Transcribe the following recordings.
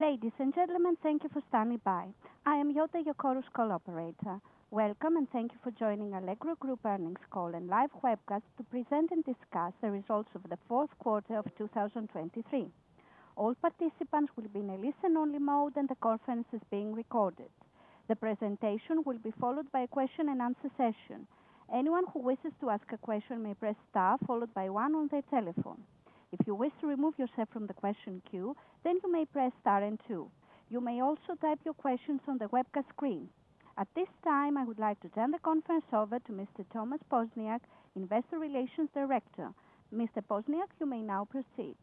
Ladies and gentlemen, thank you for standing by. I am Yota, your call's operator. Welcome, and thank you for joining Allegro Group Earnings Call and Live Webcast to present and discuss the results of the fourth quarter of 2023. All participants will be in a listen-only mode, and the conference is being recorded. The presentation will be followed by a question-and-answer session. Anyone who wishes to ask a question may press star, followed by one on their telephone. If you wish to remove yourself from the question queue, then you may press star and two. You may also type your questions on the webcast screen. At this time, I would like to turn the conference over to Mr. Tomasz Poźniak, Investor Relations Director. Mr. Poźniak, you may now proceed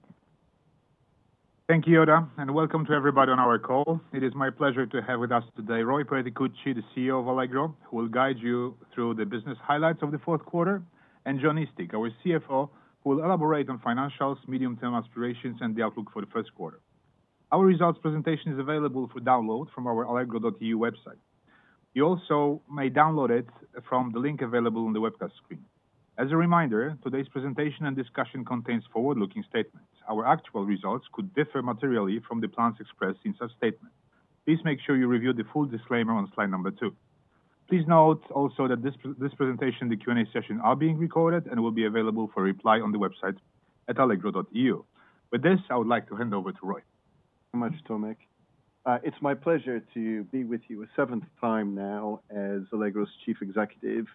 Thank you, Yota, and welcome to everybody on our call. It is my pleasure to have with us today, Roy Perticucci, the CEO of Allegro, who will guide you through the business highlights of the fourth quarter, and Jon Eastick, our CFO, who will elaborate on financials, medium-term aspirations, and the outlook for the first quarter. Our results presentation is available for download from our allegro.eu website. You also may download it from the link available on the webcast screen. As a reminder, today's presentation and discussion contains forward-looking statements. Our actual results could differ materially from the plans expressed in such statements. Please make sure you review the full disclaimer on slide number two. Please note also that this presentation and the Q&A session are being recorded and will be available for replay on the website at allegro.eu. With this, I would like to hand over to Roy. Thank you very much, Tomasz. It's my pleasure to be with you a seventh time now as Allegro's Chief Executive.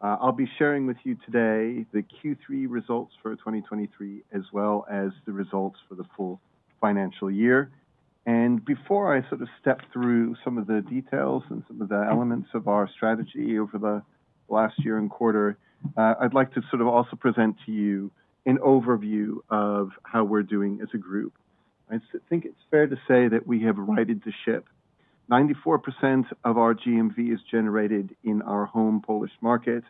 I'll be sharing with you today the Q3 results for 2023, as well as the results for the full financial year. Before I sort of step through some of the details and some of the elements of our strategy over the last year and quarter, I'd like to sort of also present to you an overview of how we're doing as a group. I think it's fair to say that we have righted the ship. 94% of our GMV is generated in our home Polish market,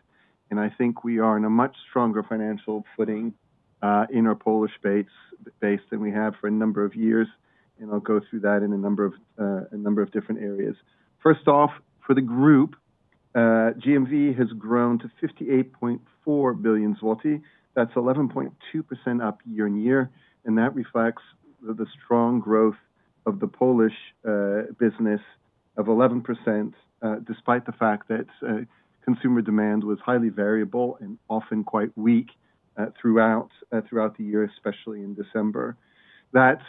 and I think we are in a much stronger financial footing in our Polish base than we have for a number of years, and I'll go through that in a number of different areas. First off, for the group, GMV has grown to 58.4 billion zloty. That's 11.2% up year-over-year, and that reflects the strong growth of the Polish business of 11%, despite the fact that consumer demand was highly variable and often quite weak throughout the year, especially in December. That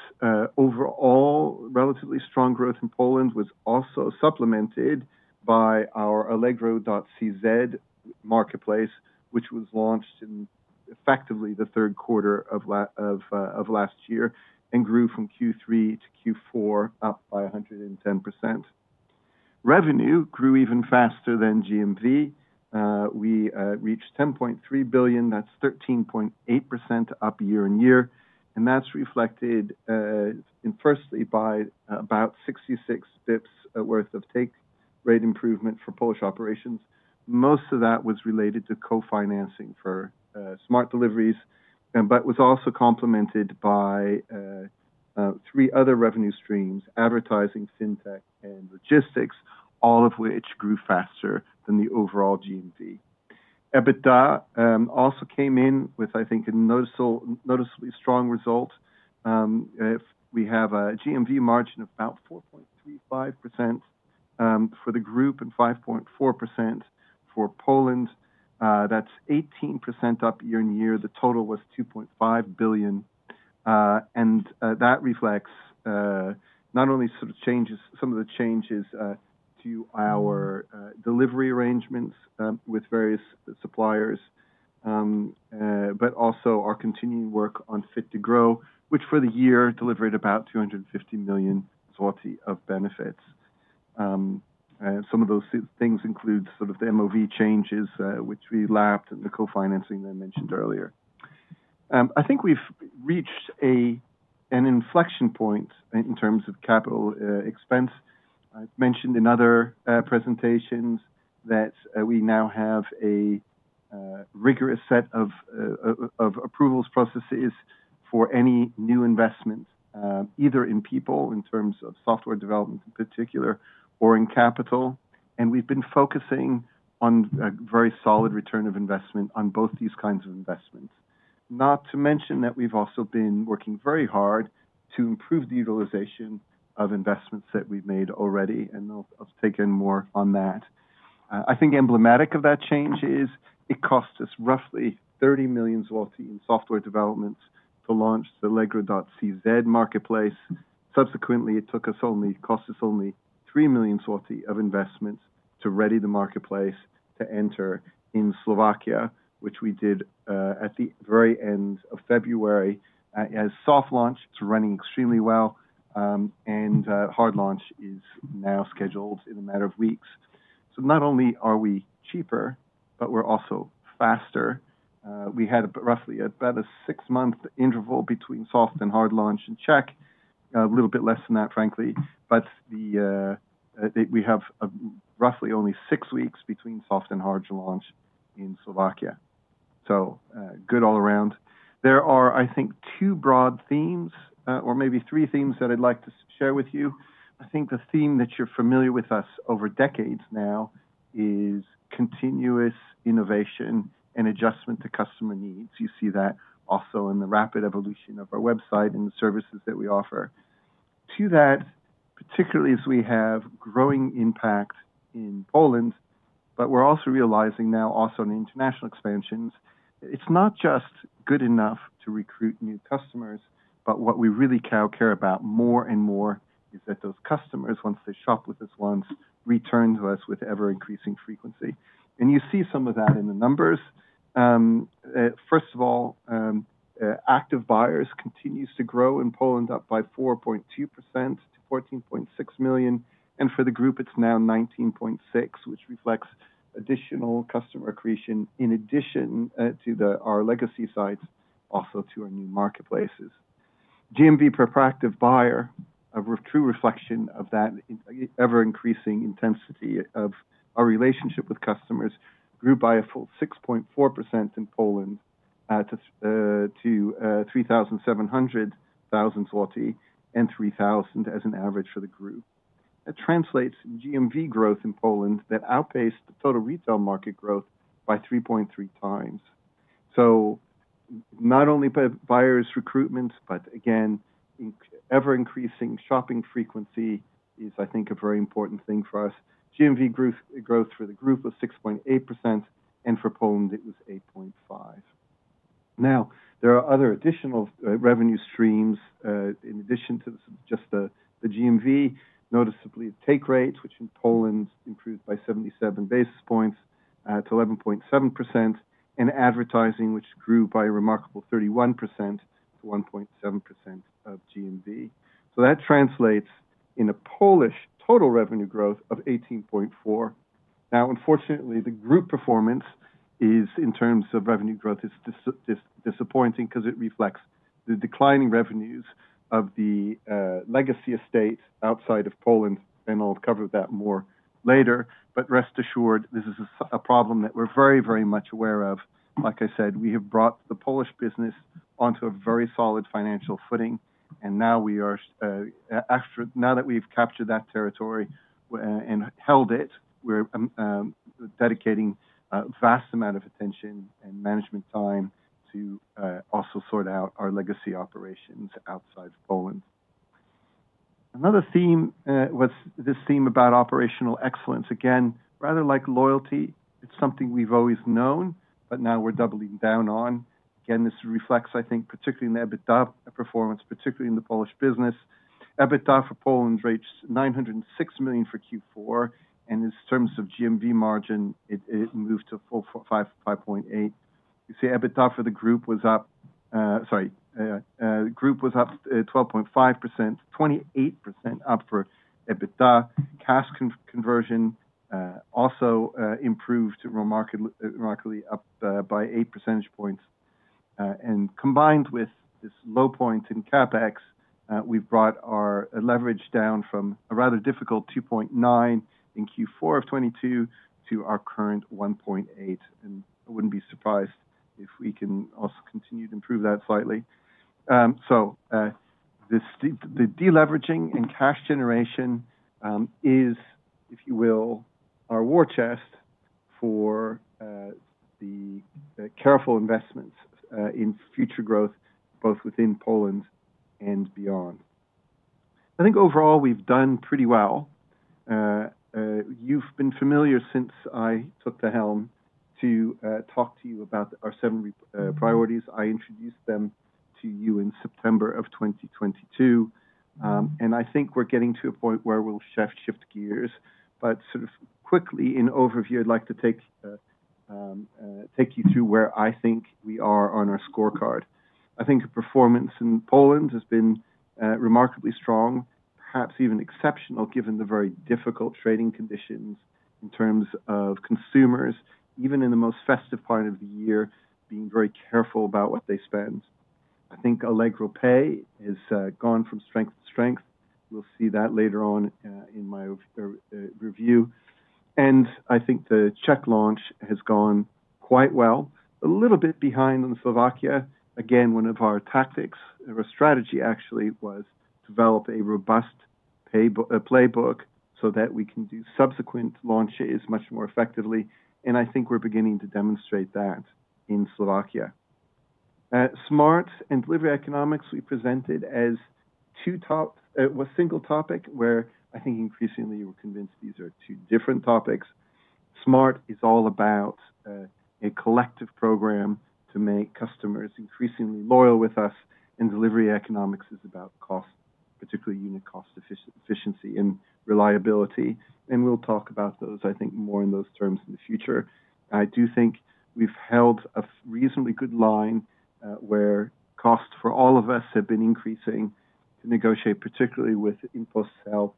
overall relatively strong growth in Poland was also supplemented by our Allegro.cz marketplace, which was launched in effectively the third quarter of last year, and grew from Q3 to Q4, up by 110%. Revenue grew even faster than GMV. We reached 10.3 billion, that's 13.8% up year-on-year, and that's reflected in firstly by about 66 bps worth of take rate improvement for Polish operations. Most of that was related to co-financing for smart deliveries, but was also complemented by three other revenue streams: advertising, FinTech, and logistics, all of which grew faster than the overall GMV. EBITDA also came in with, I think, a noticeably strong result. If we have a GMV margin of about 4.35% for the group, and 5.4% for Poland, that's 18% up year-over-year. The total was 2.5 billion. And that reflects not only sort of changes, some of the changes to our delivery arrangements with various suppliers, but also our continuing work on Fit to Grow, which for the year delivered about 250 million zloty of benefits. Some of those things include sort of the MOV changes, which we lapped, and the co-financing I mentioned earlier. I think we've reached an inflection point in terms of CapEx. I've mentioned in other presentations that we now have a rigorous set of approvals processes for any new investment either in people, in terms of software development in particular, or in capital. We've been focusing on a very solid return of investment on both these kinds of investments. Not to mention that we've also been working very hard to improve the utilization of investments that we've made already, and I'll take in more on that. I think emblematic of that change is it cost us roughly 30 million zloty in software developments to launch the allegro.cz marketplace. Subsequently, it cost us only 3 million of investments to ready the marketplace to enter in Slovakia, which we did at the very end of February. It has soft launched, it's running extremely well, and hard launch is now scheduled in a matter of weeks. So not only are we cheaper, but we're also faster. We had roughly about a six-month interval between soft and hard launch in Czech, a little bit less than that, frankly, but the I think we have roughly only six weeks between soft and hard launch in Slovakia. So good all around. There are, I think, two broad themes or maybe three themes that I'd like to share with you. I think the theme that you're familiar with us over decades now, is continuous innovation and adjustment to customer needs. You see that also in the rapid evolution of our website and the services that we offer. To that, particularly as we have growing impact in Poland, but we're also realizing now also in the international expansions, it's not just good enough to recruit new customers, but what we really care about more and more is that those customers, once they shop with us once, return to us with ever-increasing frequency. You see some of that in the numbers. First of all, active buyers continues to grow in Poland, up by 4.2% to 14.6 million, and for the group, it's now 19.6, which reflects additional customer accretion, in addition to our legacy sites, also to our new marketplaces. GMV per active buyer, a true reflection of that in ever-increasing intensity of our relationship with customers, grew by a full 6.4% in Poland to 3,700,000 zloty and 3,000 PLN as an average for the group. That translates GMV growth in Poland that outpaced the total retail market growth by 3.3 times. So not only by buyers recruitment, but again, ever-increasing shopping frequency is, I think, a very important thing for us. GMV growth, growth for the group was 6.8%, and for Poland, it was 8.5%. Now, there are other additional revenue streams in addition to just the GMV, noticeably take rates, which in Poland improved by 77 basis points to 11.7%, and advertising, which grew by a remarkable 31% to 1.7% of GMV. So that translates in a Polish total revenue growth of 18.4. Now, unfortunately, the group performance is, in terms of revenue growth, disappointing because it reflects the declining revenues of the legacy estate outside of Poland, and I'll cover that more later. But rest assured, this is a problem that we're very, very much aware of. Like I said, we have brought the Polish business onto a very solid financial footing, and now we are, now that we've captured that territory, and held it, we're dedicating a vast amount of attention and management time to also sort out our legacy operations outside of Poland. Another theme was this theme about operational excellence. Again, rather like loyalty, it's something we've always known, but now we're doubling down on. Again, this reflects, I think, particularly in the EBITDA performance, particularly in the Polish business. EBITDA for Poland reached 906 million for Q4, and in terms of GMV margin, it moved to 4.5-5.8. You see, EBITDA for the group was up 12.5%, 28% up for EBITDA. Cash conversion also improved remarkably up by 8 percentage points. And combined with this low point in CapEx, we've brought our leverage down from a rather difficult 2.9 in Q4 of 2022 to our current 1.8. And I wouldn't be surprised if we can also continue to improve that slightly. So this de- the deleveraging and cash generation is, if you will, our war chest for the careful investments in future growth, both within Poland and beyond. I think overall, we've done pretty well. You've been familiar since I took the helm to talk to you about our seven priorities. I introduced them to you in September of 2022. And I think we're getting to a point where we'll shift gears. But sort of quickly, in overview, I'd like to take you through where I think we are on our scorecard. I think performance in Poland has been remarkably strong, perhaps even exceptional, given the very difficult trading conditions in terms of consumers, even in the most festive part of the year, being very careful about what they spend. I think Allegro Pay has gone from strength to strength. We'll see that later on in my review. And I think the Czech launch has gone quite well, a little bit behind in Slovakia. Again, one of our tactics, or a strategy actually, was develop a robust playbook so that we can do subsequent launches much more effectively, and I think we're beginning to demonstrate that in Slovakia. Smart and delivery economics, we presented as two top... One single topic, where I think increasingly you were convinced these are two different topics. Smart is all about a collective program to make customers increasingly loyal with us, and delivery economics is about cost, particularly unit cost efficiency, and reliability, and we'll talk about those, I think, more in those terms in the future. I do think we've held a reasonably good line, where costs for all of us have been increasing, to negotiate, particularly with InPost itself,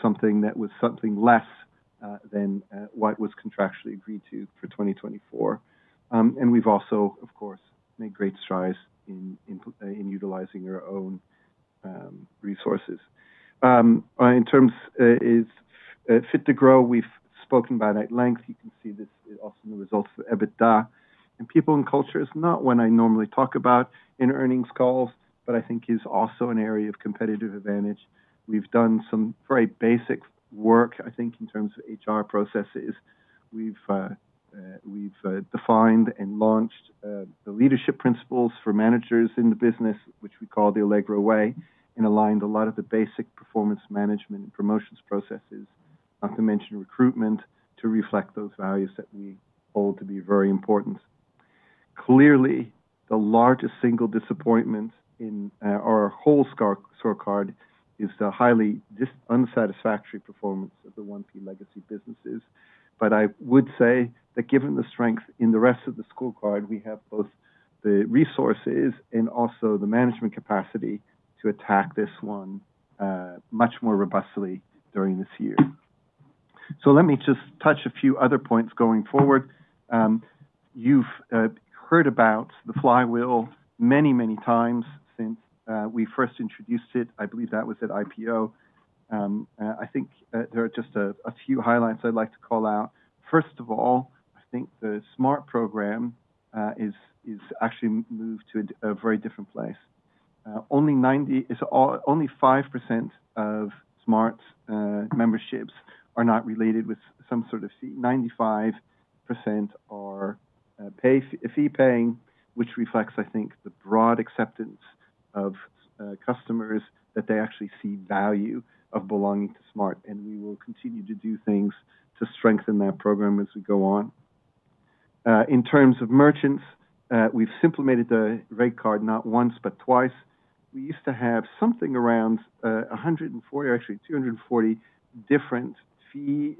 something that was something less than what was contractually agreed to for 2024. And we've also, of course, made great strides in utilizing our own resources. Fit to Grow, we've spoken about at length. You can see this also in the results of EBITDA. People and culture is not one I normally talk about in earnings calls, but I think is also an area of competitive advantage. We've done some very basic work, I think, in terms of HR processes. We've defined and launched the leadership principles for managers in the business, which we call the Allegro Way, and aligned a lot of the basic performance management and promotions processes, not to mention recruitment, to reflect those values that we hold to be very important. Clearly, the largest single disappointment in our whole scorecard is the highly just unsatisfactory performance of the 1P legacy businesses. But I would say that given the strength in the rest of the scorecard, we have both the resources and also the management capacity to attack this one much more robustly during this year. So let me just touch a few other points going forward. You've heard about the flywheel many, many times since we first introduced it. I believe that was at IPO. I think there are just a few highlights I'd like to call out. First of all, I think the Smart program is actually moved to a very different place. Only 5% of Smart's memberships are not related with some sort of fee. 95% are fee-paying, which reflects, I think, the broad acceptance of customers, that they actually see value of belonging to Smart, and we will continue to do things to strengthen that program as we go on. In terms of merchants, we've simplified the rate card not once, but twice. We used to have something around a hundred and forty, or actually two hundred and forty different fee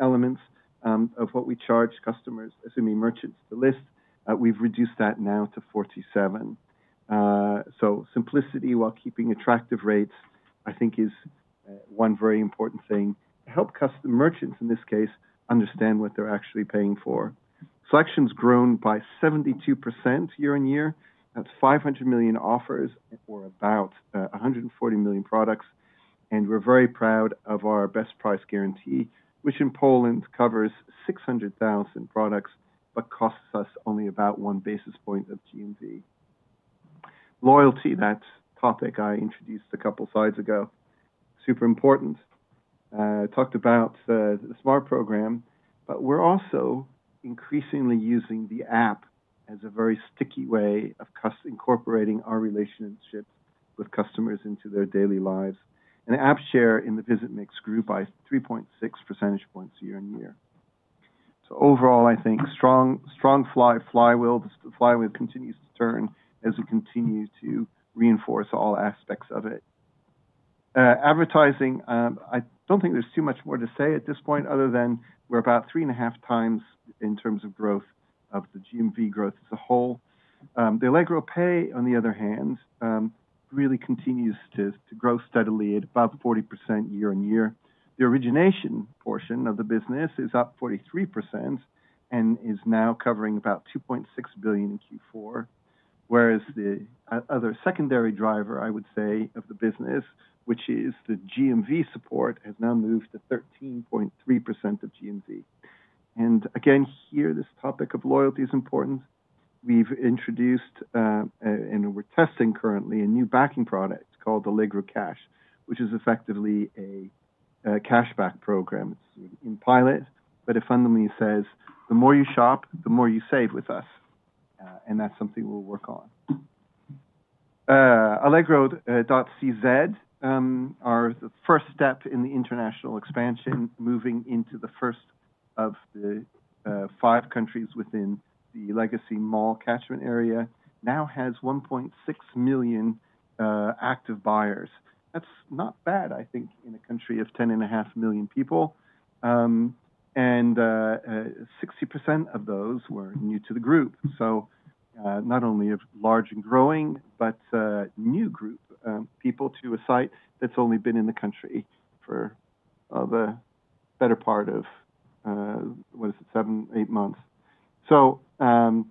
elements of what we charged customers, assuming merchants, the list, we've reduced that now to 47. So simplicity, while keeping attractive rates, I think is one very important thing to help customers—merchants, in this case, understand what they're actually paying for. Selection's grown by 72% year-on-year. That's 500 million offers for about a hundred and forty million products, and we're very proud of our Best Price Guarantee, which in Poland covers 600,000 products, but costs us only about 1 basis point of GMV. Loyalty, that topic I introduced a couple slides ago, super important. Talked about the Smart program, but we're also increasingly using the app as a very sticky way of incorporating our relationships with customers into their daily lives. App share in the visit mix grew by 3.6 percentage points year-on-year. So overall, I think strong flywheel. The flywheel continues to turn as we continue to reinforce all aspects of it. Advertising, I don't think there's too much more to say at this point, other than we're about 3.5x in terms of growth of the GMV growth as a whole. The Allegro Pay, on the other hand, really continues to grow steadily at above 40% year-on-year. The origination portion of the business is up 43% and is now covering about 2.6 billion in Q4, whereas the other secondary driver, I would say, of the business, which is the GMV support, has now moved to 13.3% of GMV. And again, here, this topic of loyalty is important. We've introduced, and we're testing currently, a new banking product called Allegro Cash, which is effectively a, a cashback program. It's in pilot, but it fundamentally says, "The more you shop, the more you save with us," and that's something we'll work on. allegro.cz, our first step in the international expansion, moving into the first of the, five countries within the legacy MALL catchment area, now has 1.6 million active buyers. That's not bad, I think, in a country of 10.5 million people. 60% of those were new to the group, so not only a large and growing, but a new group people to a site that's only been in the country for the better part of what is it? 7-8 months. But also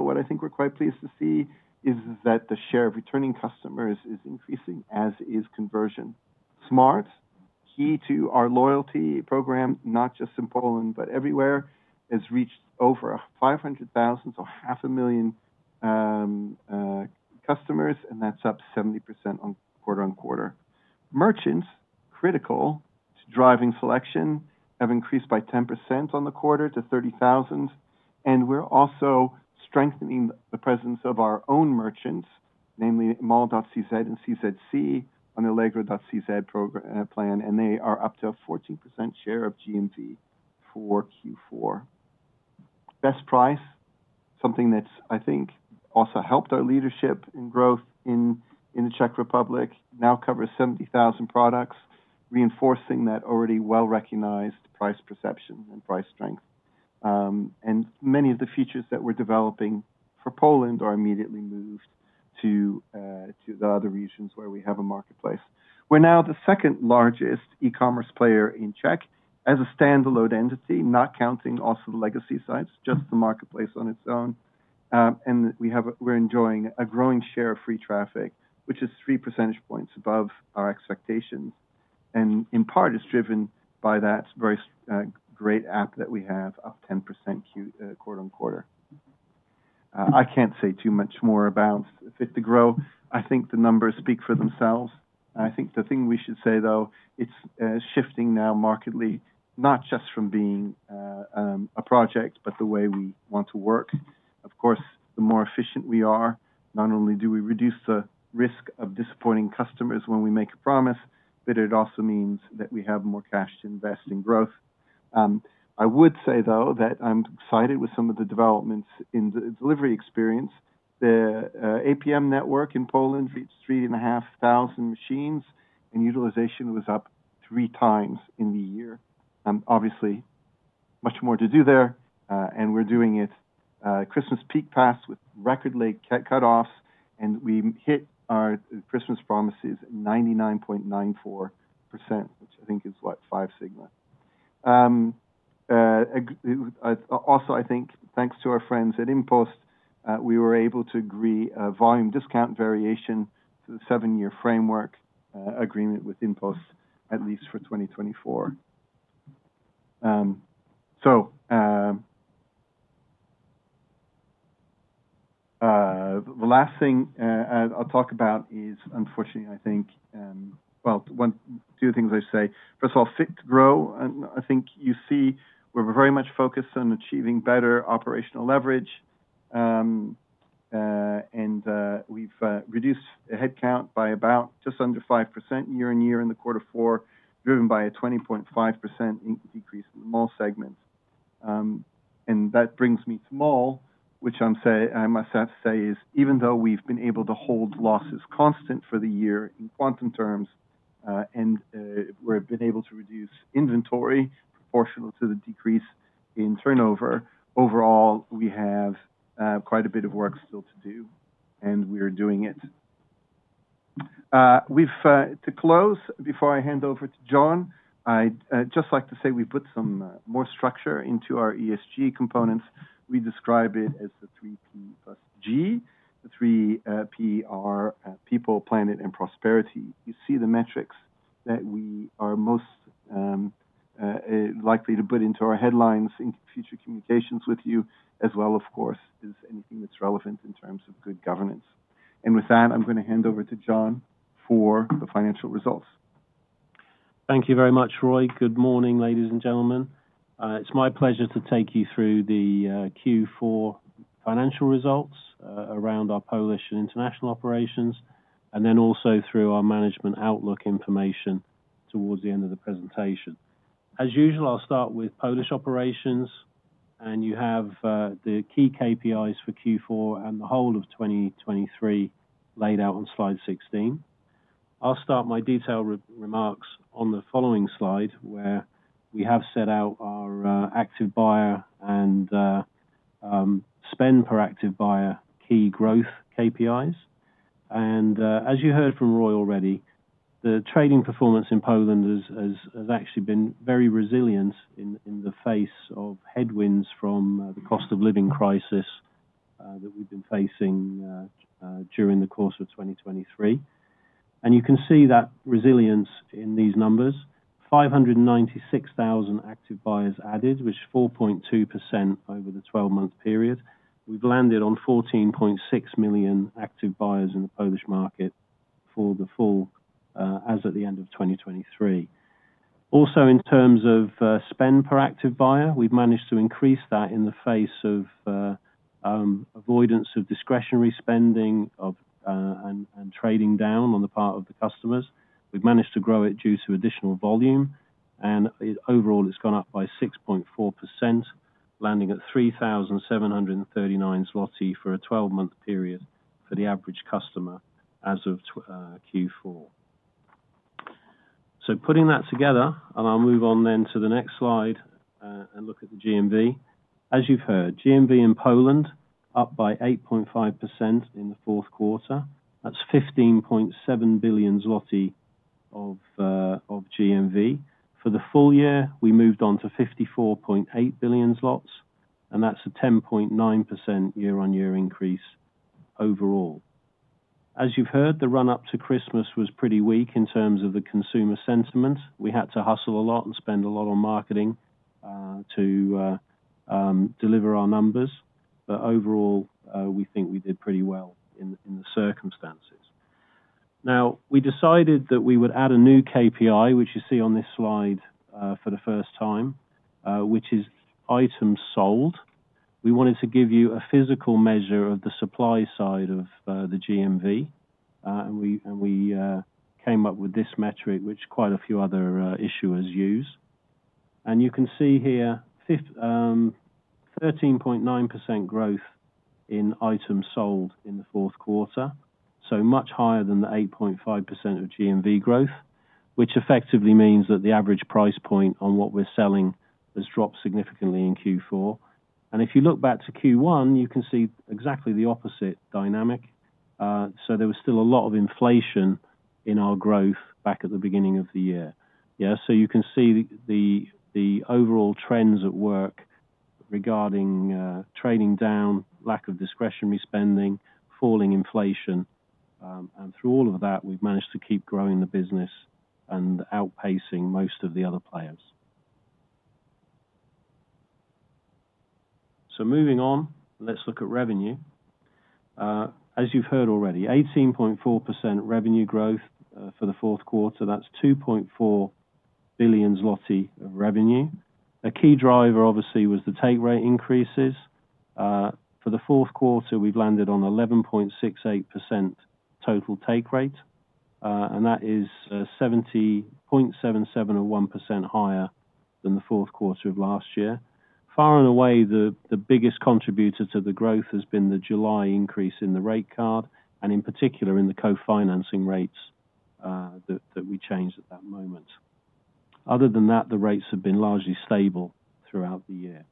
what I think we're quite pleased to see is that the share of returning customers is increasing, as is conversion. Smart, key to our loyalty program, not just in Poland, but everywhere, has reached over 500,000, so 500,000 customers, and that's up 70% quarter-on-quarter. Merchants, critical to driving selection, have increased by 10% on the quarter to 30,000, and we're also strengthening the presence of our own merchants, namely, MALL.cz and CZC, on Allegro.cz platform, and they are up to a 14% share of GMV for Q4. Best Price, something that's, I think, also helped our leadership in growth in the Czech Republic, now covers 70,000 products, reinforcing that already well-recognized price perception and price strength. And many of the features that we're developing for Poland are immediately moved to the other regions where we have a marketplace. We're now the second largest e-commerce player in Czech as a standalone entity, not counting also the legacy sites, just the marketplace on its own. We're enjoying a growing share of free traffic, which is three percentage points above our expectations, and in part, it's driven by that very great app that we have, up 10% quarter-over-quarter. I can't say too much more about Fit to Grow. I think the numbers speak for themselves. I think the thing we should say, though, it's shifting now markedly, not just from being a project, but the way we want to work. Of course, the more efficient we are, not only do we reduce the risk of disappointing customers when we make a promise, but it also means that we have more cash to invest in growth. I would say, though, that I'm excited with some of the developments in the delivery experience. The APM network in Poland fits 3,500 machines, and utilization was up 3x in the year. Obviously, much more to do there, and we're doing it. Christmas peak passed with record late cutoffs, and we hit our Christmas promises, 99.94%, which I think is what, five sigma. Also, I think, thanks to our friends at InPost, we were able to agree a volume discount variation to the 7-year framework agreement with InPost, at least for 2024. So, the last thing I'll talk about is unfortunately, I think... Well, one two things I say. First of all, Fit to Grow, and I think you see we're very much focused on achieving better operational leverage. And we've reduced the headcount by about just under 5% year-on-year in quarter four, driven by a 20.5% decrease in the MALL segment. And that brings me to MALL, which I must say is, even though we've been able to hold losses constant for the year in quantum terms, and we've been able to reduce inventory proportional to the decrease in turnover, overall, we have quite a bit of work still to do, and we are doing it. To close, before I hand over to Jon, I'd just like to say we put some more structure into our ESG components. We describe it as the 3P + G. The 3P are People, Planet, and Prosperity. You see the metrics that we are most likely to put into our headlines in future communications with you, as well, of course, is anything that's relevant in terms of good governance. With that, I'm going to hand over to Jon for the financial results. Thank you very much, Roy. Good morning, ladies and gentlemen. It's my pleasure to take you through the Q4 financial results around our Polish and international operations, and then also through our management outlook information towards the end of the presentation. As usual, I'll start with Polish operations, and you have the key KPIs for Q4 and the whole of 2023 laid out on slide 16. I'll start my detailed remarks on the following slide, where we have set out our active buyer and spend per active buyer key growth KPIs. And as you heard from Roy already, the trading performance in Poland has actually been very resilient in the face of headwinds from the cost of living crisis that we've been facing during the course of 2023. You can see that resilience in these numbers, 596,000 active buyers added, which is 4.2% over the twelve-month period. We've landed on 14.6 million active buyers in the Polish market for the full, as at the end of 2023. Also, in terms of, spend per active buyer, we've managed to increase that in the face of, avoidance of discretionary spending and trading down on the part of the customers. We've managed to grow it due to additional volume, and overall, it's gone up by 6.4%, landing at 3,739 zloty for a twelve-month period for the average customer as of Q4. Putting that together, and I'll move on then to the next slide, and look at the GMV. As you've heard, GMV in Poland, up by 8.5% in the fourth quarter. That's 15.7 billion zloty of GMV. For the full year, we moved on to 54.8 billion zlotys, and that's a 10.9% year-on-year increase overall. As you've heard, the run-up to Christmas was pretty weak in terms of the consumer sentiment. We had to hustle a lot and spend a lot on marketing to deliver our numbers, but overall, we think we did pretty well in the circumstances. Now, we decided that we would add a new KPI, which you see on this slide, for the first time, which is Items Sold. We wanted to give you a physical measure of the supply side of the GMV, and we came up with this metric, which quite a few other issuers use. And you can see here, 13.9% growth in Items Sold in the fourth quarter, so much higher than the 8.5% of GMV growth, which effectively means that the average price point on what we're selling has dropped significantly in Q4. And if you look back to Q1, you can see exactly the opposite dynamic, so there was still a lot of inflation in our growth back at the beginning of the year. Yeah, so you can see the, the overall trends at work regarding, trading down, lack of discretionary spending, falling inflation, and through all of that, we've managed to keep growing the business and outpacing most of the other players. So moving on, let's look at revenue. As you've heard already, 18.4% revenue growth for the fourth quarter, that's 2.4 billion zloty of revenue. A key driver, obviously, was the take rate increases. For the fourth quarter, we've landed on 11.68% total take rate, and that is, 70.77 or 1% higher than the fourth quarter of last year. Far and away, the biggest contributor to the growth has been the July increase in the rate card, and in particular, in the co-financing rates that we changed at that moment. Other than that, the rates have been largely stable throughout the year.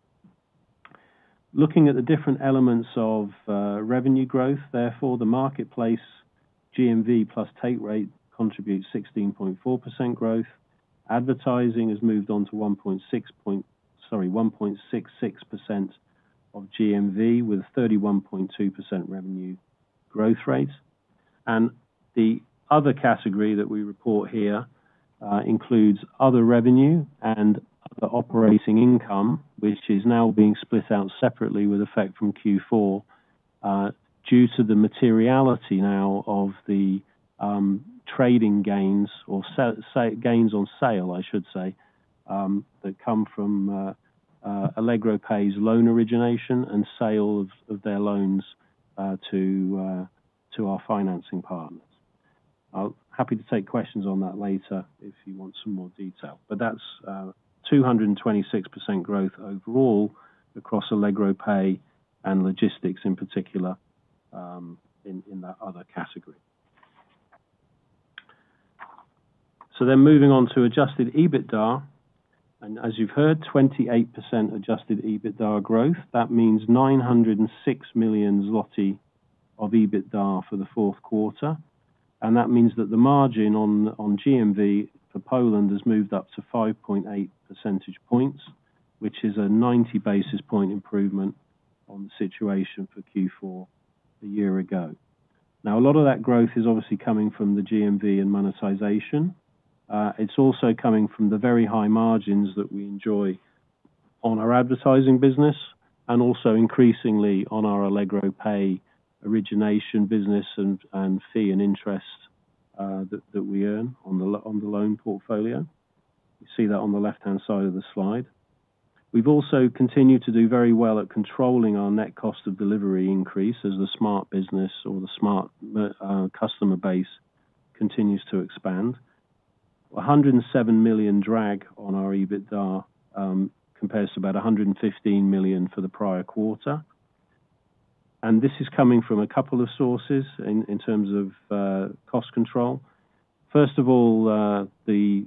Looking at the different elements of revenue growth, therefore, the marketplace GMV plus take rate contributes 16.4% growth. Advertising has moved on to 1.66% of GMV, with a 31.2% revenue growth rate. And the other category that we report here includes other revenue and other operating income, which is now being split out separately with effect from Q4 due to the materiality now of the trading gains or gains on sale, I should say, that come from Allegro Pay's loan origination and sale of their loans to our financing partners. I'm happy to take questions on that later if you want some more detail, but that's 226% growth overall across Allegro Pay and Logistics, in particular in that other category. So then moving on to adjusted EBITDA, and as you've heard, 28% adjusted EBITDA growth, that means 906 million zloty of EBITDA for the fourth quarter, and that means that the margin on, on GMV for Poland has moved up to 5.8 percentage points, which is a 90 basis point improvement on the situation for Q4 a year ago. Now, a lot of that growth is obviously coming from the GMV and monetization. It's also coming from the very high margins that we enjoy on our advertising business and also increasingly on our Allegro Pay origination business and, and fee and interest that we earn on the loan portfolio. You see that on the left-hand side of the slide. We've also continued to do very well at controlling our net cost of delivery increase as the smart business or the smart customer base continues to expand. 107 million drag on our EBITDA compares to about 115 million for the prior quarter. This is coming from a couple of sources in terms of cost control. First of all, the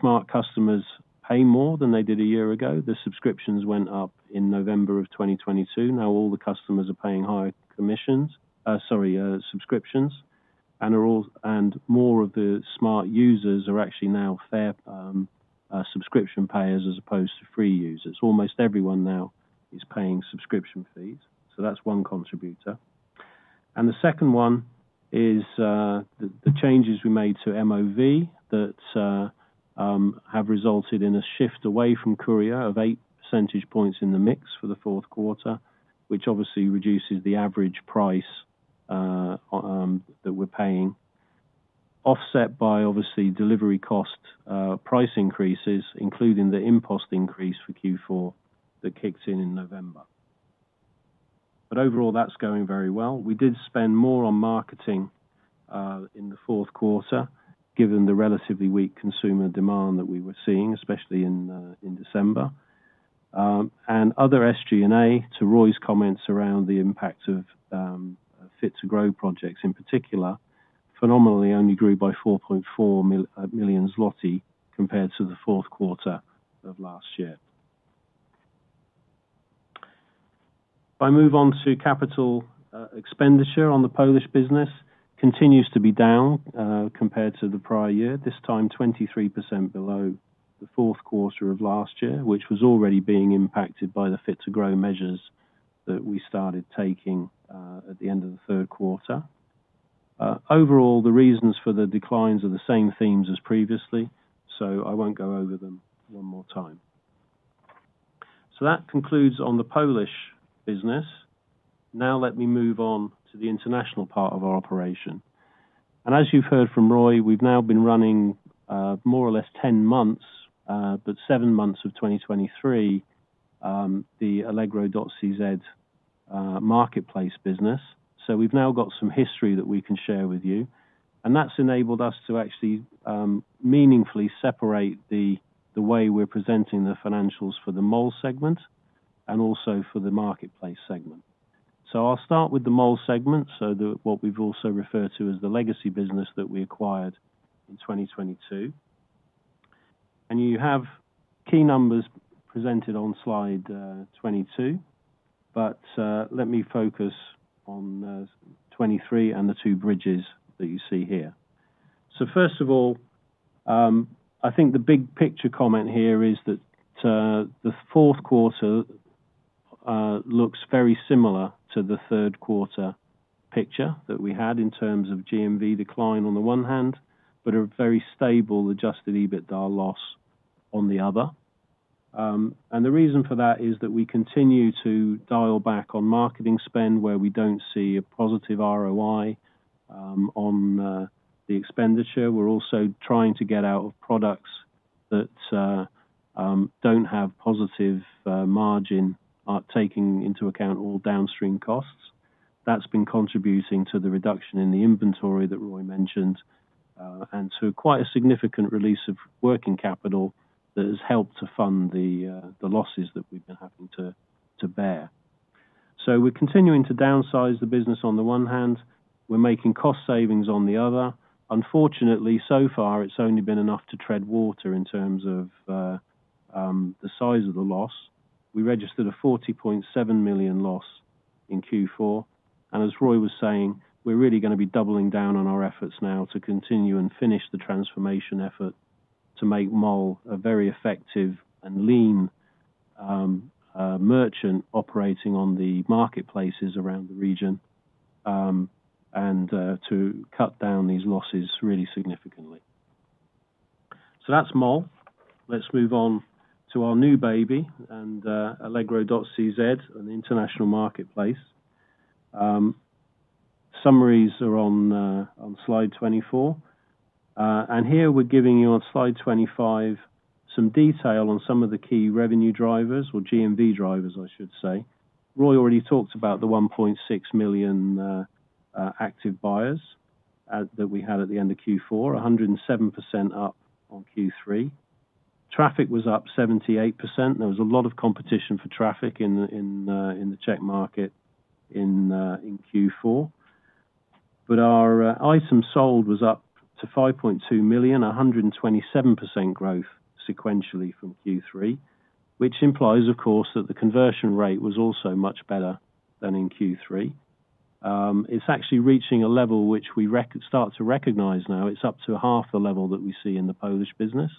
smart customers pay more than they did a year ago. The subscriptions went up in November of 2022. Now, all the customers are paying higher commissions, sorry, subscriptions, and more of the smart users are actually now fee subscription payers as opposed to free users. Almost everyone now is paying subscription fees, so that's one contributor. And the second one is, the changes we made to MOV that have resulted in a shift away from courier of 8 percentage points in the mix for the fourth quarter, which obviously reduces the average price that we're paying, offset by, obviously, delivery cost price increases, including the InPost increase for Q4 that kicks in in November. But overall, that's going very well. We did spend more on marketing in the fourth quarter, given the relatively weak consumer demand that we were seeing, especially in December. And other SG&A, to Roy's comments around the impact of Fit to Grow projects, in particular, personnel only grew by 4.4 million zloty, compared to the fourth quarter of last year. If I move on to capital expenditure on the Polish business, it continues to be down compared to the prior year, this time 23% below the fourth quarter of last year, which was already being impacted by the Fit to Grow measures that we started taking at the end of the third quarter. Overall, the reasons for the declines are the same themes as previously, so I won't go over them one more time. That concludes on the Polish business. Now let me move on to the international part of our operation. As you've heard from Roy, we've now been running more or less 10 months, but 7 months of 2023, the allegro.cz marketplace business. So we've now got some history that we can share with you, and that's enabled us to actually meaningfully separate the way we're presenting the financials for the MALL segment and also for the marketplace segment. I'll start with the MALL segment, what we've also referred to as the legacy business that we acquired in 2022. You have key numbers presented on slide 22, but let me focus on 23 and the two bridges that you see here. First of all, I think the big picture comment here is that the fourth quarter looks very similar to the third quarter picture that we had in terms of GMV decline on the one hand, but a very stable adjusted EBITDA loss on the other. And the reason for that is that we continue to dial back on marketing spend where we don't see a positive ROI on the expenditure. We're also trying to get out of products that don't have positive margin taking into account all downstream costs. That's been contributing to the reduction in the inventory that Roy mentioned and to quite a significant release of working capital that has helped to fund the losses that we've been having to bear. So we're continuing to downsize the business on the one hand, we're making cost savings on the other. Unfortunately, so far, it's only been enough to tread water in terms of the size of the loss. We registered a 40.7 million loss in Q4, and as Roy was saying, we're really gonna be doubling down on our efforts now to continue and finish the transformation effort to make MALL a very effective and lean, merchant operating on the marketplaces around the region, and to cut down these losses really significantly. So that's MALL. Let's move on to our new baby, and, allegro.cz, an international marketplace. Summaries are on slide 24. And here we're giving you on slide 25, some detail on some of the key revenue drivers or GMV drivers, I should say. Roy already talked about the 1.6 million active buyers that we had at the end of Q4, 107% up on Q3. Traffic was up 78%. There was a lot of competition for traffic in the Czech market in Q4. But our items sold was up to 5.2 million, 127% growth sequentially from Q3, which implies, of course, that the conversion rate was also much better than in Q3. It's actually reaching a level which we start to recognize now. It's up to half the level that we see in the Polish business,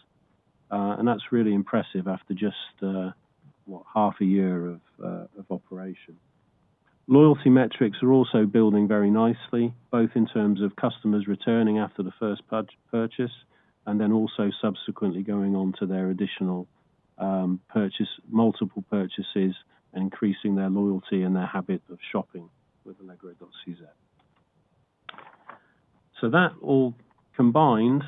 and that's really impressive after just half a year of operation. Loyalty metrics are also building very nicely, both in terms of customers returning after the first purchase, and then also subsequently going on to their additional purchase, multiple purchases, increasing their loyalty and their habit of shopping with allegro.cz. So that all combined,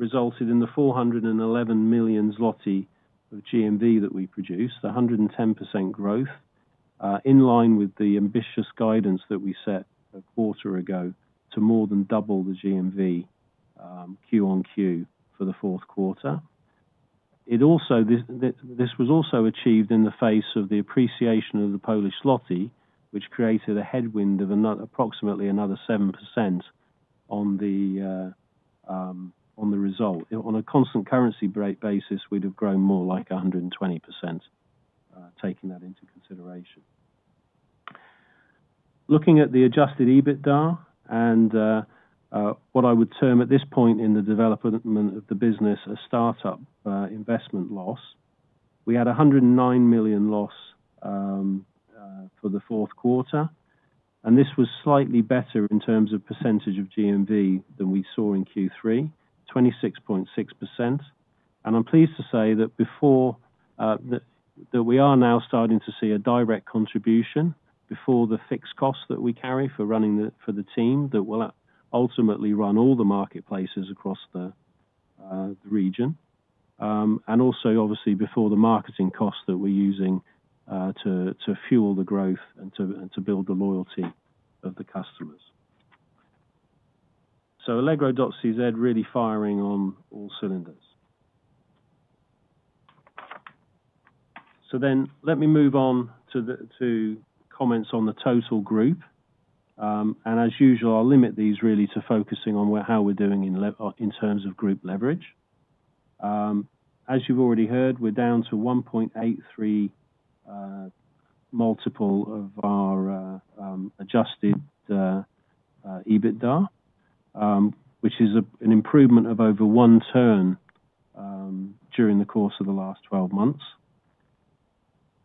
resulted in the 411 million zloty of GMV that we produced, 110% growth, in line with the ambitious guidance that we set a quarter ago, to more than double the GMV, Q-on-Q for the fourth quarter. It also, this, this, this was also achieved in the face of the appreciation of the Polish zloty, which created a headwind of another, approximately another 7% on the, on the result. On a constant currency break basis, we'd have grown more like 120%, taking that into consideration. Looking at the adjusted EBITDA and what I would term at this point in the development of the business, a start-up investment loss, we had a 109 million loss for the fourth quarter, and this was slightly better in terms of percentage of GMV than we saw in Q3, 26.6%. I'm pleased to say that before that we are now starting to see a direct contribution before the fixed cost that we carry for running the team that will ultimately run all the marketplaces across the region. And also, obviously, before the marketing costs that we're using to fuel the growth and to build the loyalty of the customers. So Allegro.cz really firing on all cylinders. So then let me move on to the comments on the total group. And as usual, I'll limit these really to focusing on where, how we're doing in leverage in terms of group leverage. As you've already heard, we're down to 1.83 multiple of our adjusted EBITDA, which is an improvement of over one turn during the course of the last 12 months.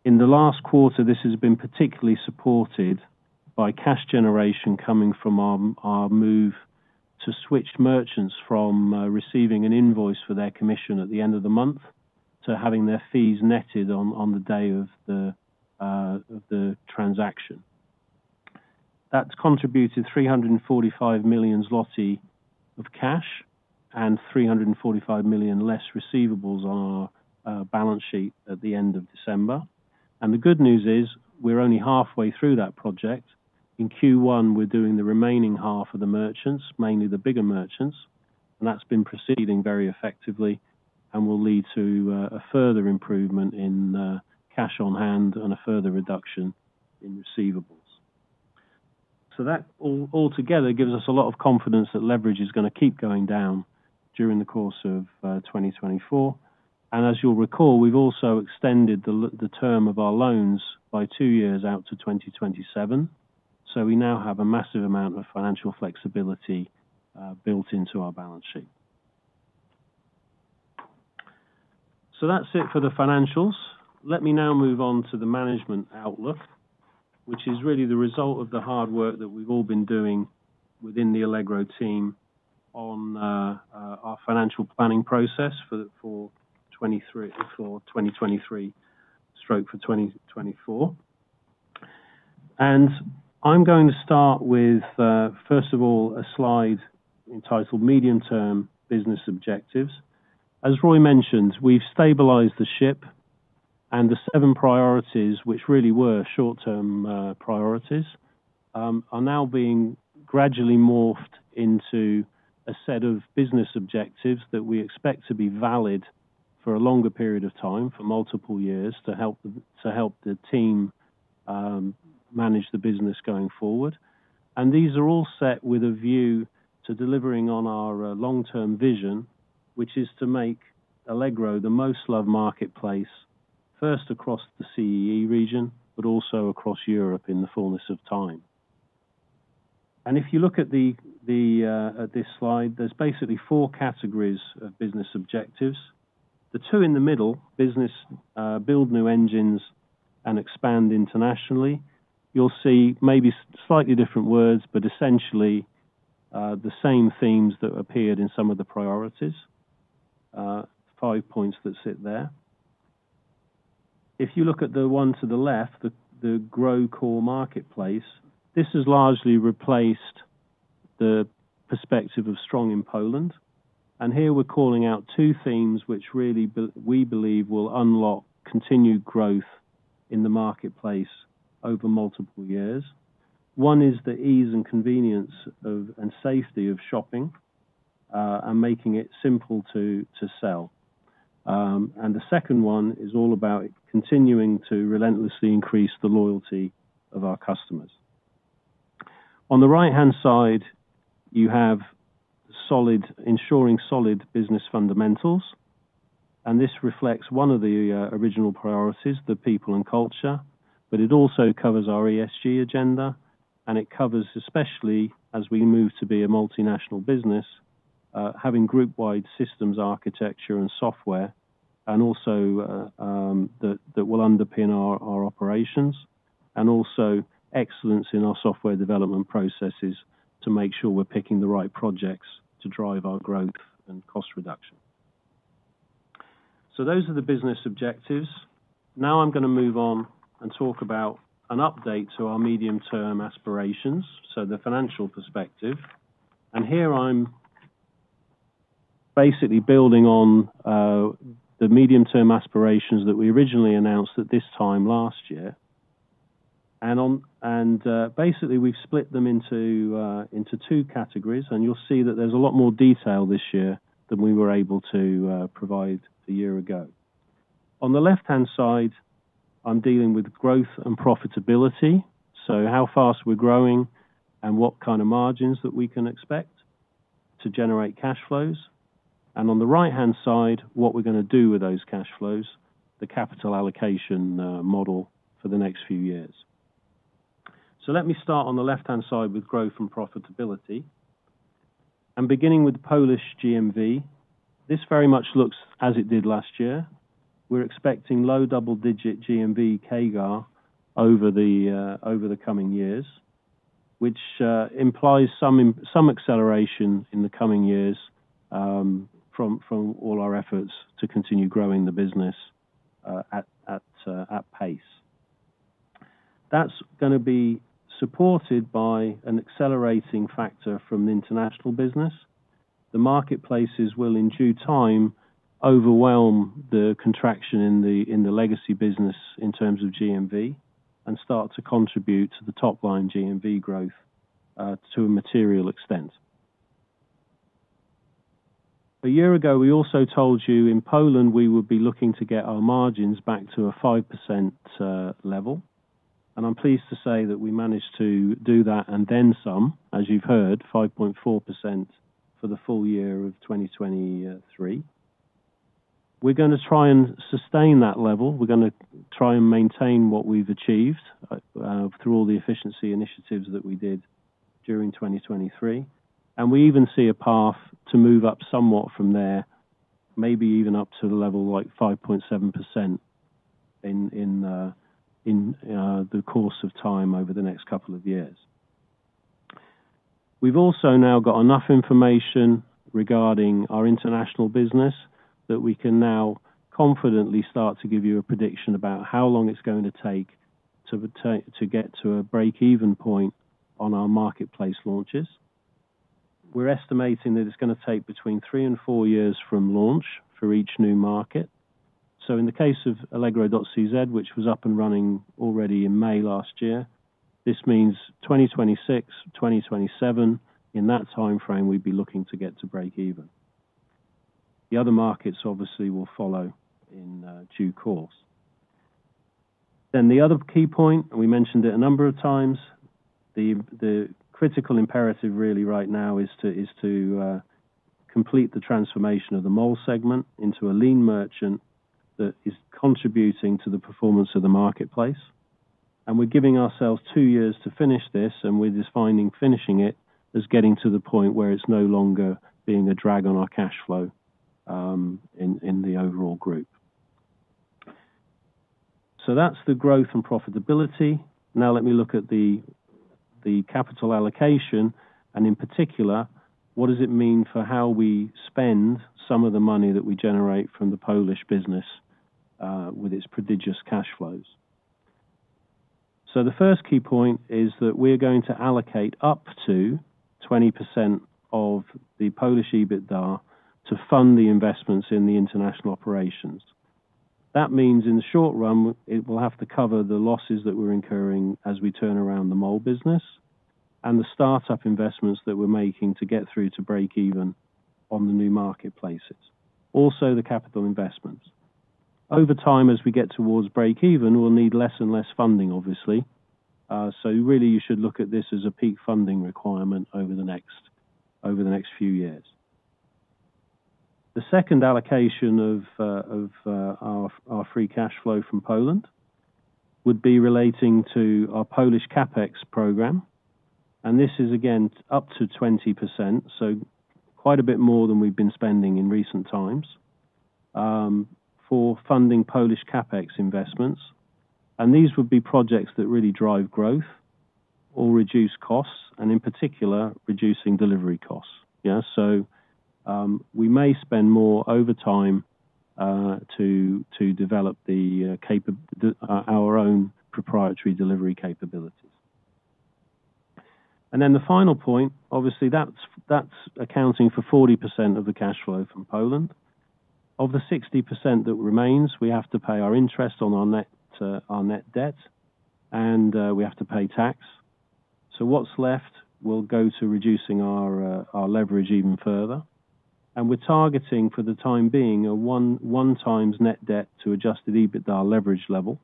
In the last quarter, this has been particularly supported by cash generation coming from our move to switch merchants from receiving an invoice for their commission at the end of the month, to having their fees netted on the day of the transaction. That's contributed 345 million zloty of cash and 345 million less receivables on our balance sheet at the end of December. The good news is, we're only halfway through that project. In Q1, we're doing the remaining half of the merchants, mainly the bigger merchants, and that's been proceeding very effectively and will lead to a further improvement in cash on hand and a further reduction in receivables. So that all together gives us a lot of confidence that leverage is going to keep going down during the course of 2024. And as you'll recall, we've also extended the term of our loans by two years out to 2027. So we now have a massive amount of financial flexibility built into our balance sheet. So that's it for the financials. Let me now move on to the management outlook, which is really the result of the hard work that we've all been doing within the Allegro team on our financial planning process for 2023/2024. I'm going to start with, first of all, a slide entitled Medium Term Business Objectives. As Roy mentioned, we've stabilized the ship, and the seven priorities, which really were short-term priorities, are now being gradually morphed into a set of business objectives that we expect to be valid for a longer period of time, for multiple years, to help the team manage the business going forward. These are all set with a view to delivering on our long-term vision, which is to make Allegro the most loved marketplace, first across the CEE region, but also across Europe in the fullness of time. If you look at this slide, there's basically four categories of business objectives. The two in the middle, business build new engines and expand internationally. You'll see maybe slightly different words, but essentially the same themes that appeared in some of the priorities five points that sit there. If you look at the one to the left, the Grow Core Marketplace, this has largely replaced the perspective of strong in Poland. Here we're calling out two themes, which we believe will unlock continued growth in the marketplace over multiple years. One is the ease and convenience of, and safety of shopping, and making it simple to sell. And the second one is all about continuing to relentlessly increase the loyalty of our customers. On the right-hand side, you have solid, ensuring solid business fundamentals, and this reflects one of the original priorities, the people and culture, but it also covers our ESG agenda, and it covers, especially as we move to be a multinational business, having group-wide systems, architecture, and software, and also that will underpin our operations, and also excellence in our software development processes to make sure we're picking the right projects to drive our growth and cost reduction. So those are the business objectives. Now I'm going to move on and talk about an update to our medium-term aspirations, so the financial perspective. And here I'm basically building on the medium-term aspirations that we originally announced at this time last year. And basically, we've split them into two categories, and you'll see that there's a lot more detail this year than we were able to provide a year ago. On the left-hand side, I'm dealing with growth and profitability, so how fast we're growing and what kind of margins that we can expect to generate cash flows. And on the right-hand side, what we're going to do with those cash flows, the capital allocation model for the next few years. So let me start on the left-hand side with growth and profitability. And beginning with Polish GMV, this very much looks as it did last year. We're expecting low double-digit GMV CAGR over the coming years, which implies some acceleration in the coming years from all our efforts to continue growing the business at pace. That's gonna be supported by an accelerating factor from the international business. The marketplaces will, in due time, overwhelm the contraction in the legacy business in terms of GMV and start to contribute to the top line GMV growth to a material extent. A year ago, we also told you in Poland, we would be looking to get our margins back to a 5% level, and I'm pleased to say that we managed to do that and then some, as you've heard, 5.4% for the full year of 2023. We're gonna try and sustain that level. We're gonna try and maintain what we've achieved through all the efficiency initiatives that we did during 2023. We even see a path to move up somewhat from there, maybe even up to the level like 5.7% in the course of time over the next couple of years. We've also now got enough information regarding our international business, that we can now confidently start to give you a prediction about how long it's going to take to get to a break-even point on our marketplace launches. We're estimating that it's gonna take between 3 and 4 years from launch for each new market. In the case of Allegro.cz, which was up and running already in May last year, this means 2026-2027, in that timeframe, we'd be looking to get to break even. The other markets obviously will follow in due course. Then the other key point, and we mentioned it a number of times, the critical imperative really right now is to complete the transformation of the MALL segment into a lean merchant that is contributing to the performance of the marketplace. And we're giving ourselves two years to finish this, and we're defining finishing it as getting to the point where it's no longer being a drag on our cash flow in the overall group. So that's the growth and profitability. Now, let me look at the capital allocation, and in particular, what does it mean for how we spend some of the money that we generate from the Polish business with its prodigious cash flows? So the first key point is that we're going to allocate up to 20% of the Polish EBITDA to fund the investments in the international operations. That means, in the short run, it will have to cover the losses that we're incurring as we turn around the mall business, and the startup investments that we're making to get through to break even on the new marketplaces. Also, the capital investments. Over time, as we get towards break even, we'll need less and less funding, obviously. So really, you should look at this as a peak funding requirement over the next, over the next few years. The second allocation of our free cash flow from Poland would be relating to our Polish CapEx program, and this is again up to 20%, so quite a bit more than we've been spending in recent times for funding Polish CapEx investments. These would be projects that really drive growth or reduce costs, and in particular, reducing delivery costs. We may spend more over time to develop our own proprietary delivery capabilities. Then the final point, obviously, that's accounting for 40% of the cash flow from Poland. Of the 60% that remains, we have to pay our interest on our net debt, and we have to pay tax. So what's left will go to reducing our leverage even further. We're targeting, for the time being, a 1.1x net debt to adjusted EBITDA leverage level.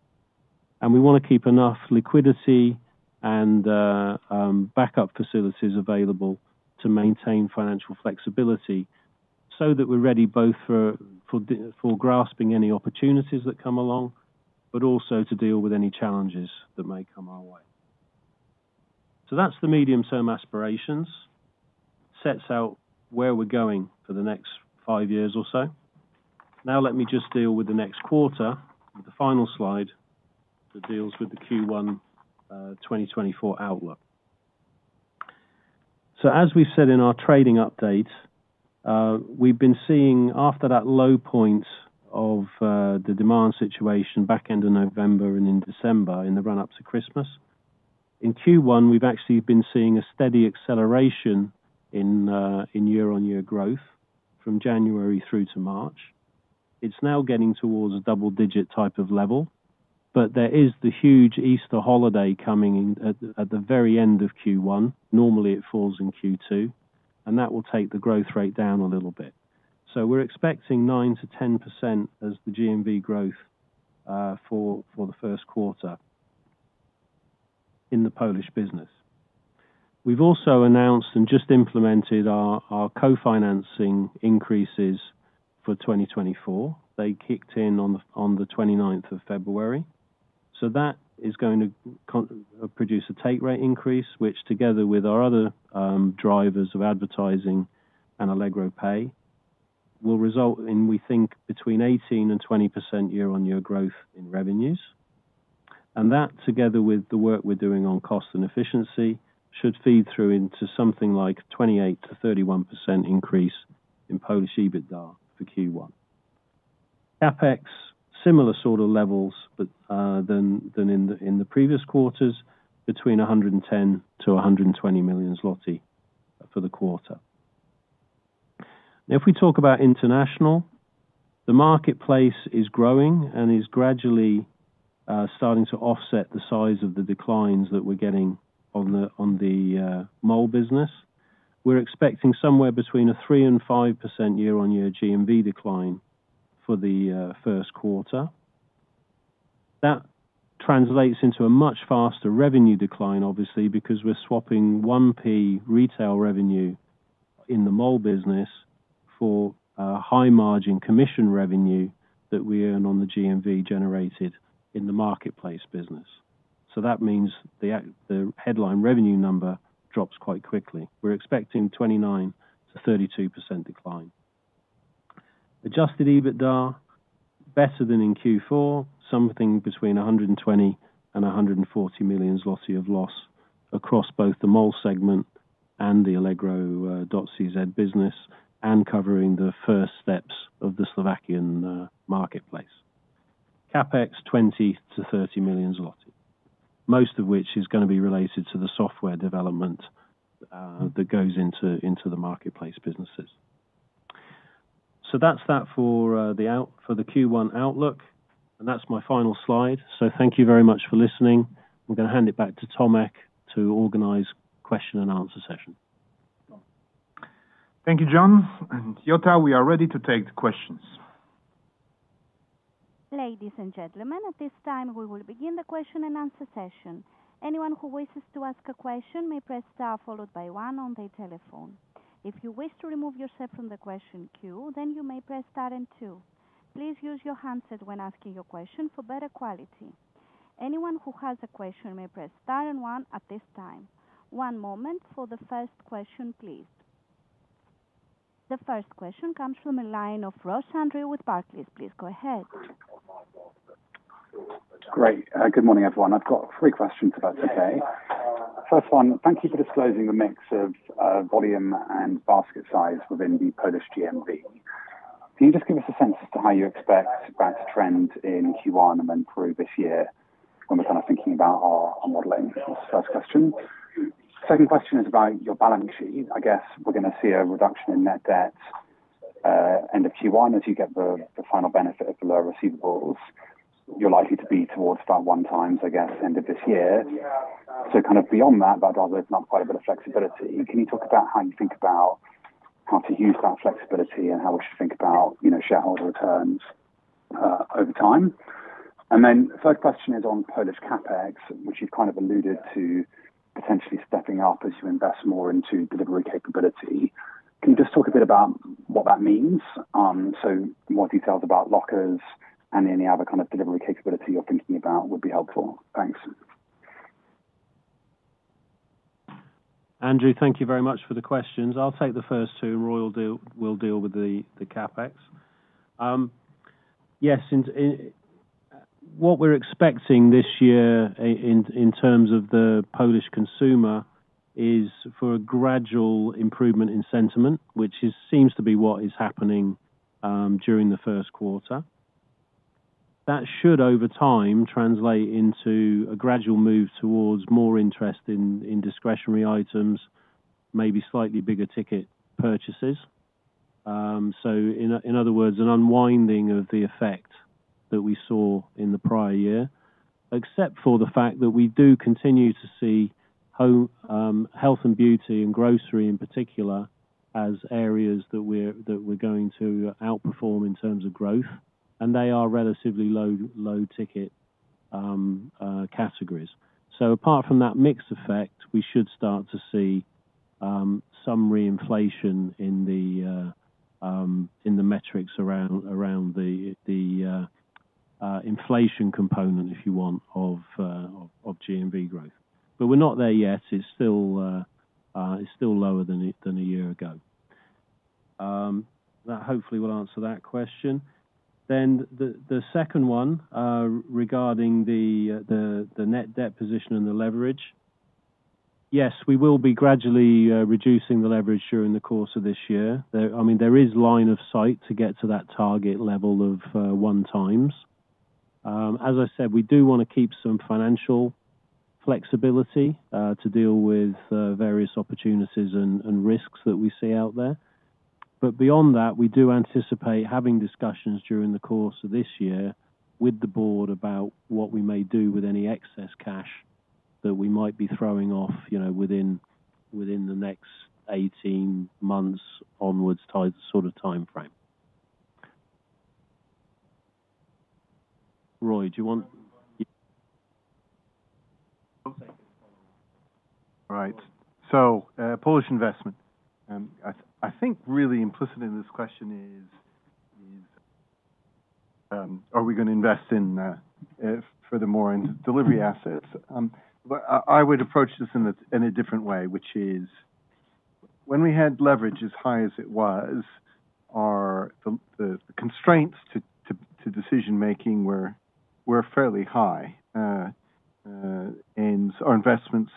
We wanna keep enough liquidity and backup facilities available to maintain financial flexibility so that we're ready both for grasping any opportunities that come along, but also to deal with any challenges that may come our way. So that's the medium-term aspirations. Sets out where we're going for the next five years or so. Now, let me just deal with the next quarter, with the final slide, that deals with the Q1 2024 outlook. So as we said in our trading update, we've been seeing after that low point of the demand situation back end of November and in December, in the run-up to Christmas, in Q1, we've actually been seeing a steady acceleration in year-on-year growth from January through to March. It's now getting towards a double-digit type of level, but there is the huge Easter holiday coming in at the very end of Q1. Normally, it falls in Q2, and that will take the growth rate down a little bit. So we're expecting 9%-10% as the GMV growth for the first quarter in the Polish business. We've also announced and just implemented our co-financing increases for 2024. They kicked in on the 29th of February. That is going to produce a take rate increase, which, together with our other drivers of advertising and Allegro Pay, will result in, we think, between 18% and 20% year-on-year growth in revenues. And that, together with the work we're doing on cost and efficiency, should feed through into something like 28%-31% increase in Polish EBITDA for Q1. CapEx, similar sort of levels, but then in the previous quarters, between 110 million-120 million zloty for the quarter. Now, if we talk about international, the marketplace is growing and is gradually starting to offset the size of the declines that we're getting on the MALL business. We're expecting somewhere between 3% and 5% year-on-year GMV decline for the first quarter. That translates into a much faster revenue decline, obviously, because we're swapping 1P retail revenue in the mall business for a high margin commission revenue that we earn on the GMV generated in the marketplace business. So that means the headline revenue number drops quite quickly. We're expecting 29%-32% decline. Adjusted EBITDA, better than in Q4, something between 120 million and 140 million zloty of loss across both the mall segment and the allegro.cz business, and covering the first steps of the Slovakian marketplace. CapEx, 20 million-30 million zloty, most of which is gonna be related to the software development that goes into the marketplace businesses. So that's that for the Q1 outlook. That's my final slide. So thank you very much for listening. I'm going to hand it back to Tomasz to organize question and answer session. Thank you, Jon and Yota, we are ready to take the questions. Ladies and gentlemen, at this time, we will begin the question and answer session. Anyone who wishes to ask a question may press star, followed by one on their telephone. If you wish to remove yourself from the question queue, then you may press star and two. Please use your handset when asking your question for better quality. Anyone who has a question may press star and one at this time. One moment for the first question, please. The first question comes from the line of Andrew Ross with Barclays. Please go ahead. Great. Good morning, everyone. I've got three questions about today. First one, thank you for disclosing the mix of volume and basket size within the Polish GMV. Can you just give us a sense as to how you expect that to trend in Q1 and then through this year, when we're kind of thinking about our modeling? That's the first question. Second question is about your balance sheet. I guess we're going to see a reduction in net debt end of Q1, as you get the final benefit of the lower receivables. You're likely to be towards that 1x, I guess, end of this year. So kind of beyond that, but there's not quite a bit of flexibility. Can you talk about how you think about how to use that flexibility, and how we should think about, you know, shareholder returns over time? And then the third question is on Polish CapEx, which you kind of alluded to, potentially stepping up as you invest more into delivery capability. Can you just talk a bit about what that means? So more details about lockers and any other kind of delivery capability you're thinking about would be helpful. Thanks. Andrew, thank you very much for the questions. I'll take the first two, Roy will deal with the CapEx. Yes, in terms of the Polish consumer, what we're expecting this year is a gradual improvement in sentiment, which seems to be what is happening during the first quarter. That should, over time, translate into a gradual move towards more interest in discretionary items, maybe slightly bigger ticket purchases. So in other words, an unwinding of the effect that we saw in the prior year, except for the fact that we do continue to see home, health and beauty and grocery in particular, as areas that we're going to outperform in terms of growth, and they are relatively low ticket categories. So apart from that mix effect, we should start to see some reinflation in the metrics around the inflation component, if you want, of GMV growth. But we're not there yet. It's still lower than it a year ago. That hopefully will answer that question. Then the second one regarding the net debt position and the leverage. Yes, we will be gradually reducing the leverage during the course of this year. There, I mean, there is line of sight to get to that target level of 1x. As I said, we do want to keep some financial flexibility to deal with various opportunities and risks that we see out there. But beyond that, we do anticipate having discussions during the course of this year with the board about what we may do with any excess cash that we might be throwing off, you know, within the next 18 months onwards time, sort of timeframe. Roy, do you want...? All right. So, Polish investment. I think really implicit in this question is are we going to invest furthermore in delivery assets? But I would approach this in a different way, which is, when we had leverage as high as it was, our constraints to decision making were fairly high. And our investments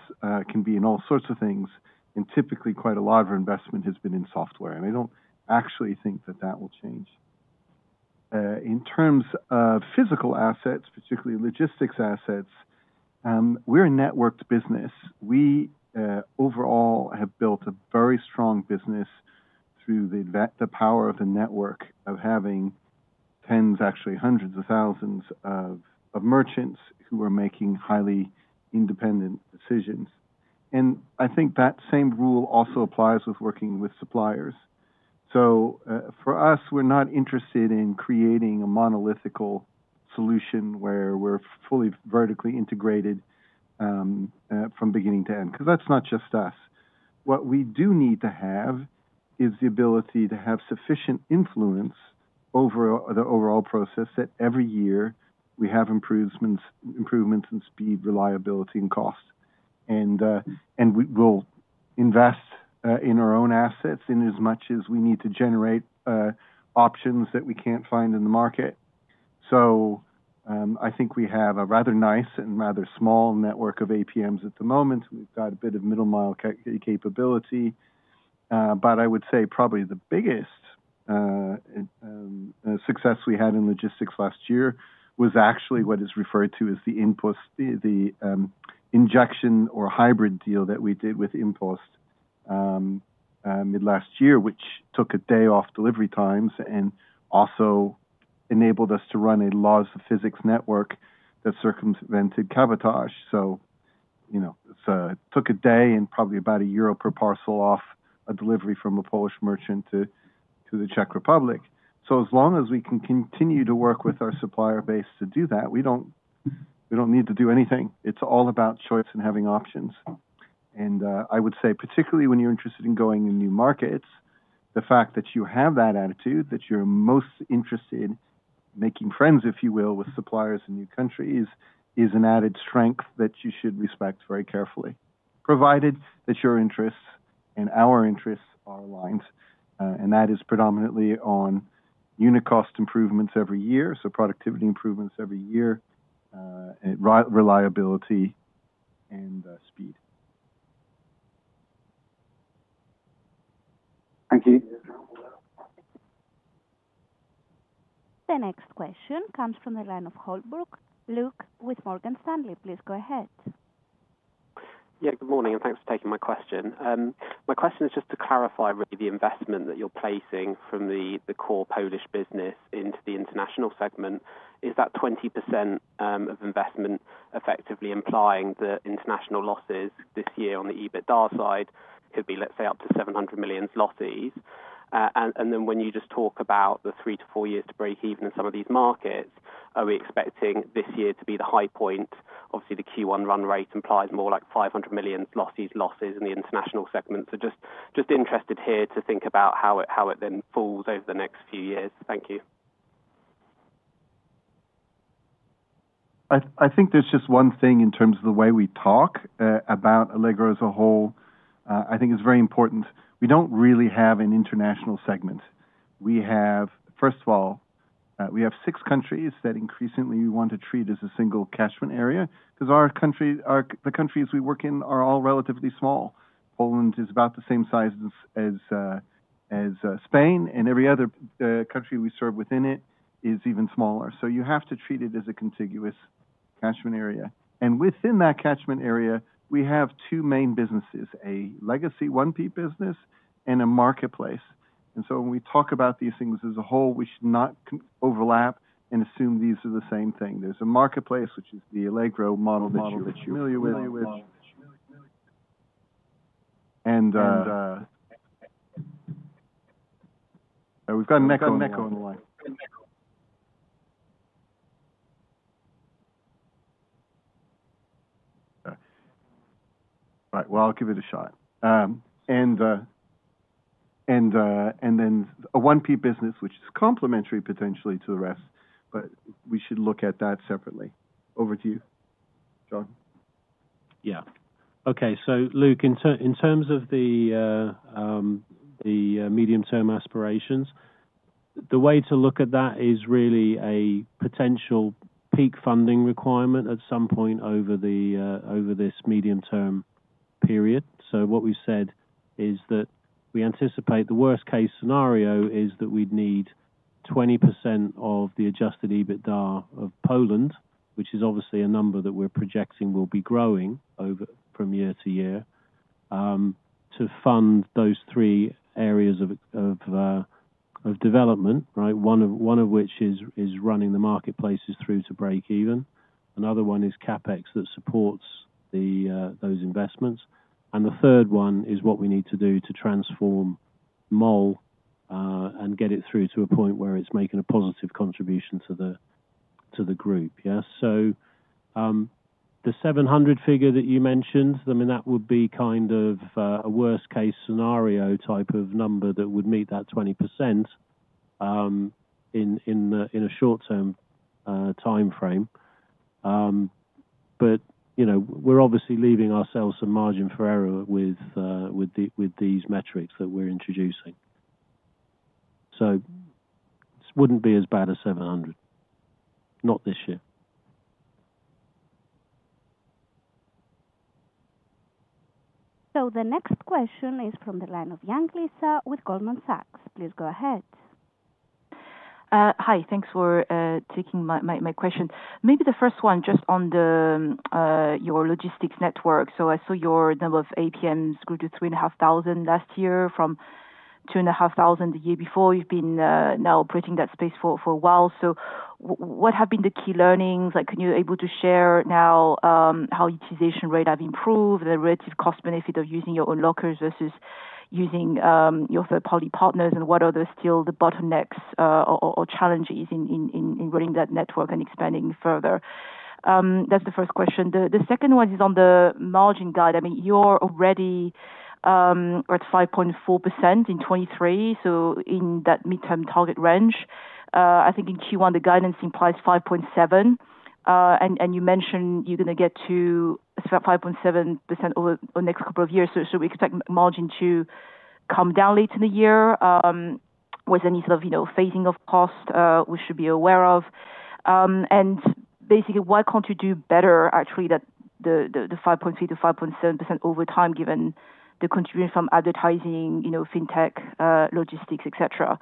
can be in all sorts of things, and typically quite a lot of our investment has been in software, and I don't actually think that that will change. In terms of physical assets, particularly logistics assets, we're a networked business. We overall have built a very strong business through the power of the network of having tens, actually hundreds of thousands of merchants who are making highly independent decisions. I think that same rule also applies with working with suppliers. So, for us, we're not interested in creating a monolithic solution where we're fully vertically integrated, from beginning to end, because that's not just us. What we do need to have is the ability to have sufficient influence over the overall process, that every year we have improvements, improvements in speed, reliability, and cost. And, and we will invest, in our own assets in as much as we need to generate, options that we can't find in the market. So, I think we have a rather nice and rather small network of APMs at the moment. We've got a bit of middle-mile capability, but I would say probably the biggest success we had in logistics last year was actually what is referred to as the InPost, the injection or hybrid deal that we did with InPost mid last year, which took a day off delivery times and also enabled us to run a logistics network that circumvented cabotage. So, you know, it's took a day and probably about EUR 1 per parcel off a delivery from a Polish merchant to the Czech Republic. So as long as we can continue to work with our supplier base to do that, we don't need to do anything. It's all about choice and having options. I would say, particularly when you're interested in going in new markets, the fact that you have that attitude, that you're most interested in making friends, if you will, with suppliers in new countries, is an added strength that you should respect very carefully. Provided that your interests and our interests are aligned, and that is predominantly on unit cost improvements every year, so productivity improvements every year, and reliability and speed. Thank you. The next question comes from the line of Holbrook, Luke with Morgan Stanley. Please go ahead. Yeah, good morning, and thanks for taking my question. My question is just to clarify, really, the investment that you're placing from the, the core Polish business into the international segment. Is that 20% of investment effectively implying the international losses this year on the EBITDA side could be, let's say, up to 700 million zlotys? And then when you just talk about the 3-4 years to break even in some of these markets, are we expecting this year to be the high point? Obviously, the Q1 run rate implies more like 500 million losses in the international segment. So just, just interested here to think about how it, how it then falls over the next few years. Thank you. I think there's just one thing in terms of the way we talk about Allegro as a whole. I think it's very important. We don't really have an international segment. We have... First of all, we have six countries that increasingly we want to treat as a single catchment area, because the countries we work in are all relatively small. Poland is about the same size as Spain, and every other country we serve within it is even smaller. So you have to treat it as a contiguous catchment area. And within that catchment area, we have two main businesses, a legacy 1P business and a marketplace. And so when we talk about these things as a whole, we should not overlap and assume these are the same thing. There's a marketplace, which is the Allegro model that you're familiar with. And, we've got an echo on the line. All right. Well, I'll give it a shot. And then a 1P business, which is complementary potentially to the rest, but we should look at that separately. Over to you, Jon. Yeah. Okay, so Luke, in terms of the medium-term aspirations, the way to look at that is really a potential peak funding requirement at some point over this medium-term period. So what we've said is that we anticipate the worst case scenario is that we'd need 20% of the adjusted EBITDA of Poland, which is obviously a number that we're projecting will be growing over from year to year, to fund those three areas of development, right? One of which is running the marketplaces through to break even. Another one is CapEx that supports those investments. And the third one is what we need to do to transform MALL and get it through to a point where it's making a positive contribution to the group. Yeah, so, the 700 figure that you mentioned, I mean, that would be kind of a worst case scenario type of number that would meet that 20%, in a short-term timeframe. But, you know, we're obviously leaving ourselves some margin for error with these metrics that we're introducing. So this wouldn't be as bad as 700, not this year. The next question is from the line of Lisa Yang with Goldman Sachs. Please go ahead. Hi, thanks for taking my question. Maybe the first one, just on your logistics network. So I saw your number of APMs grew to 3,500 last year from 2,500 the year before. You've been now operating that space for a while. So what have been the key learnings? Like, are you able to share now, how utilization rate have improved, the relative cost benefit of using your own lockers versus using your third-party partners, and what are still the bottlenecks, or challenges in growing that network and expanding further? That's the first question. The second one is on the margin guide. I mean, you're already at 5.4% in 2023, so in that midterm target range. I think in Q1, the guidance implies 5.7%. And you mentioned you're going to get to 5.7% over the next couple of years. So we expect margin to come down later in the year. Was any sort of, you know, fading of cost we should be aware of? And basically, why can't you do better actually than the 5.3%-5.7% over time, given the contribution from advertising, you know, fintech, logistics, et cetera?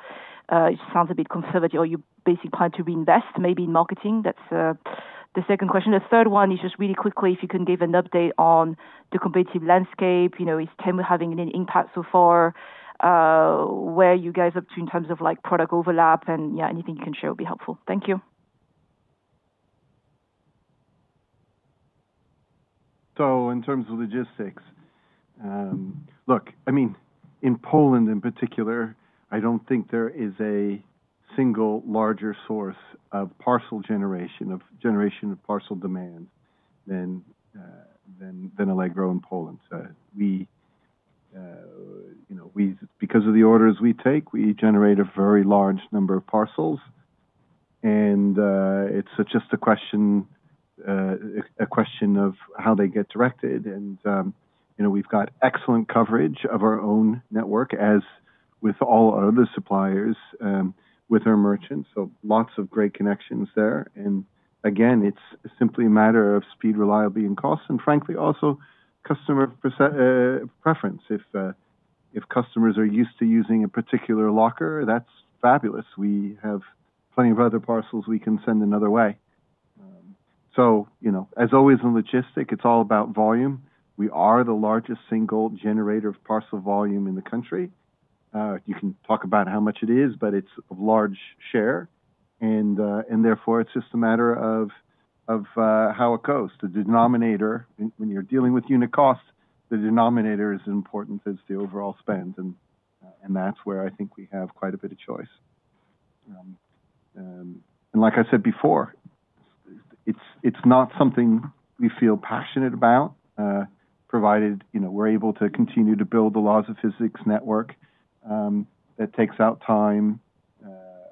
It sounds a bit conservative, or you basically plan to reinvest maybe in marketing that's... The second question, the third one is just really quickly, if you can give an update on the competitive landscape, you know, is Temu having any impact so far, where you guys up to in terms of, like, product overlap? And yeah, anything you can share will be helpful. Thank you. So in terms of logistics, look, I mean, in Poland in particular, I don't think there is a single larger source of parcel generation, of generation of parcel demand than Allegro in Poland. So we, you know, because of the orders we take, we generate a very large number of parcels, and it's just a question of how they get directed. And you know, we've got excellent coverage of our own network as with all our other suppliers, with our merchants, so lots of great connections there. And again, it's simply a matter of speed, reliability, and cost, and frankly, also customer preference. If customers are used to using a particular locker, that's fabulous. We have plenty of other parcels we can send another way. So, you know, as always, in logistics, it's all about volume. We are the largest single generator of parcel volume in the country. You can talk about how much it is, but it's a large share, and therefore, it's just a matter of how it goes. The denominator, when you're dealing with unit costs, the denominator is important as the overall spend, and that's where I think we have quite a bit of choice. And like I said before, it's not something we feel passionate about, provided, you know, we're able to continue to build the laws of physics network, that takes out time,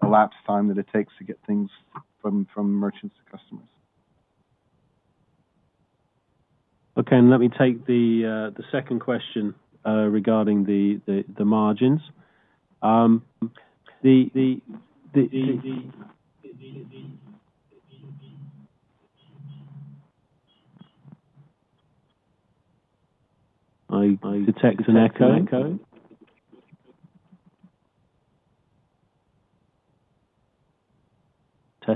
elapsed time that it takes to get things from merchants to customers. Okay, and let me take the second question regarding the margins. I detect an echo.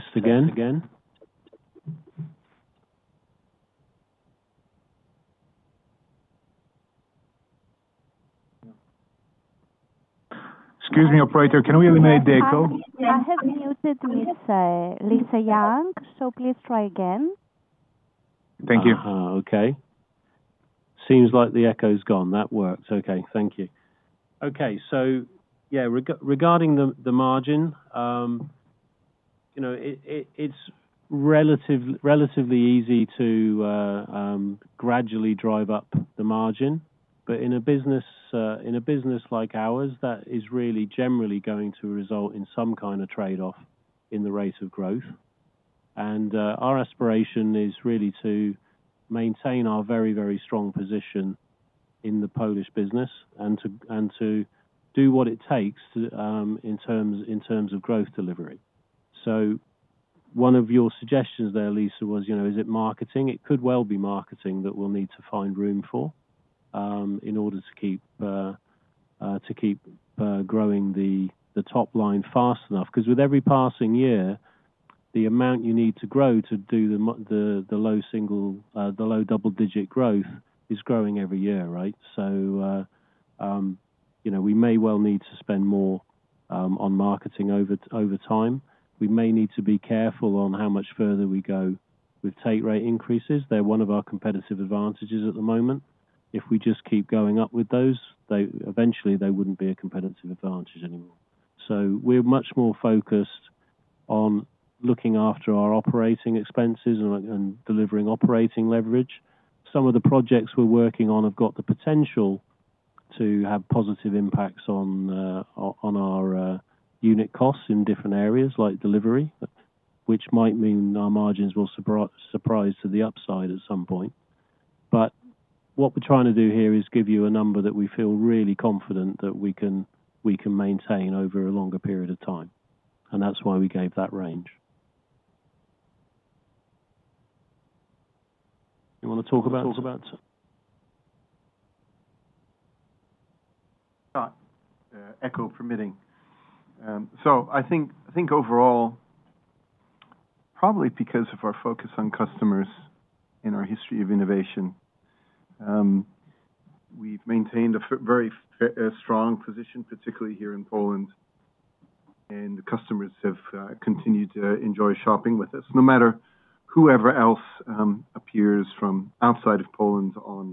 Test again. Excuse me, operator, can we eliminate the echo? I have muted Ms. Lisa Yang, so please try again. Thank you. Okay. Seems like the echo's gone. That works. Okay, thank you. Okay, so yeah, regarding the margin, you know, it's relatively easy to gradually drive up the margin, but in a business like ours, that is really generally going to result in some kind of trade-off in the rate of growth. Our aspiration is really to maintain our very, very strong position in the Polish business and to do what it takes in terms of growth delivery. So one of your suggestions there, Lisa, was, you know, is it marketing? It could well be marketing that we'll need to find room for in order to keep growing the top line fast enough. Because with every passing year, the amount you need to grow to do the the low single, the low double-digit growth is growing every year, right? So, you know, we may well need to spend more on marketing over time. We may need to be careful on how much further we go with take rate increases. They're one of our competitive advantages at the moment. If we just keep going up with those, they eventually they wouldn't be a competitive advantage anymore. So we're much more focused on looking after our operating expenses and delivering operating leverage. Some of the projects we're working on have got the potential to have positive impacts on our unit costs in different areas, like delivery, which might mean our margins will surprise to the upside at some point. But what we're trying to do here is give you a number that we feel really confident that we can, we can maintain over a longer period of time, and that's why we gave that range. You want to talk about, talk about it? Echo permitting. So I think, I think overall, probably because of our focus on customers and our history of innovation, we've maintained a very strong position, particularly here in Poland, and the customers have continued to enjoy shopping with us, no matter whoever else appears from outside of Poland on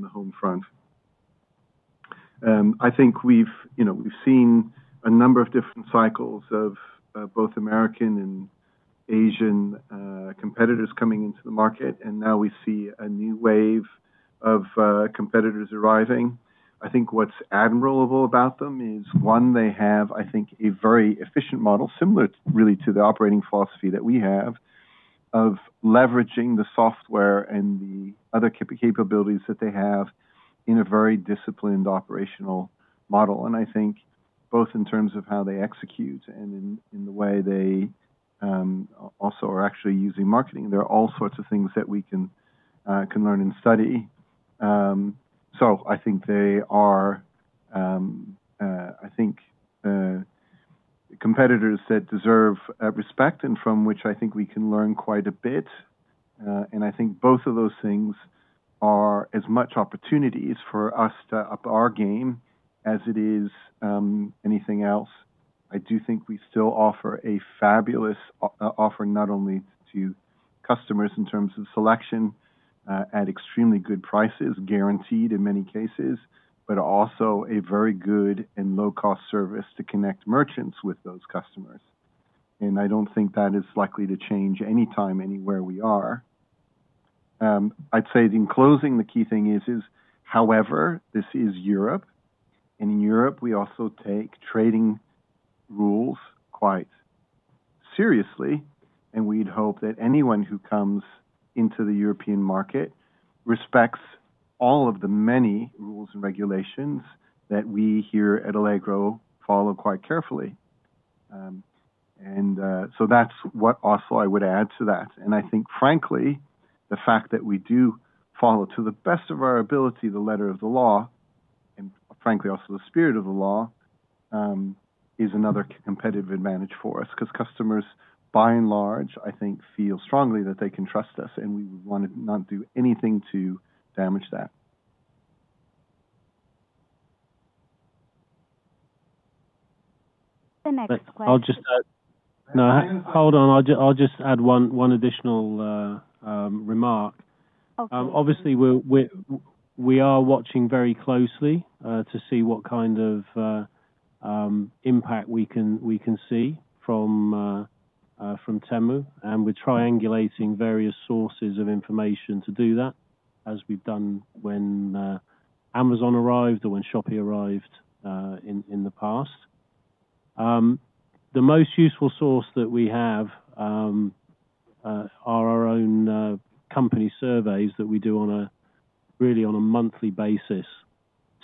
the home front. I think we've, you know, we've seen a number of different cycles of both American and Asian competitors coming into the market, and now we see a new wave of competitors arriving. I think what's admirable about them is, one, they have, I think, a very efficient model, similar really, to the operating philosophy that we have, of leveraging the software and the other capabilities that they have in a very disciplined operational model, and I think both in terms of how they execute and in the way they also are actually using marketing. There are all sorts of things that we can learn and study. So I think they are, I think, competitors that deserve, respect and from which I think we can learn quite a bit. And I think both of those things are as much opportunities for us to up our game as it is, anything else. I do think we still offer a fabulous offer, not only to customers in terms of selection, at extremely good prices, guaranteed in many cases, but also a very good and low-cost service to connect merchants with those customers. And I don't think that is likely to change anytime, anywhere we are. I'd say in closing, the key thing is, however, this is Europe. In Europe, we also take trading rules quite seriously, and we'd hope that anyone who comes into the European market respects all of the many rules and regulations that we here at Allegro follow quite carefully. And so that's what also I would add to that. And I think, frankly, the fact that we do follow, to the best of our ability, the letter of the law, and frankly, also the spirit of the law, is another competitive advantage for us, 'cause customers, by and large, I think, feel strongly that they can trust us, and we would want to not do anything to damage that. The next question- I'll just add... No, hold on. I'll just, I'll just add one, one additional, remark. Okay. Obviously, we're watching very closely to see what kind of impact we can see from Temu, and we're triangulating various sources of information to do that, as we've done when Amazon arrived or when Shopee arrived in the past. The most useful source that we have are our own company surveys that we do, really, on a monthly basis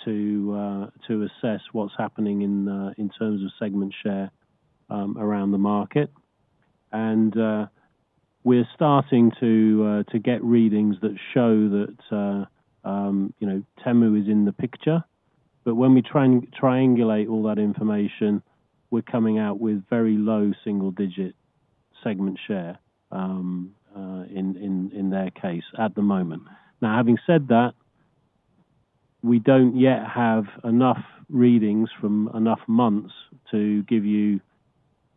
to assess what's happening in terms of segment share around the market. And we're starting to get readings that show that, you know, Temu is in the picture. But when we triangulate all that information, we're coming out with very low single-digit segment share in their case at the moment. Now, having said that, we don't yet have enough readings from enough months to give you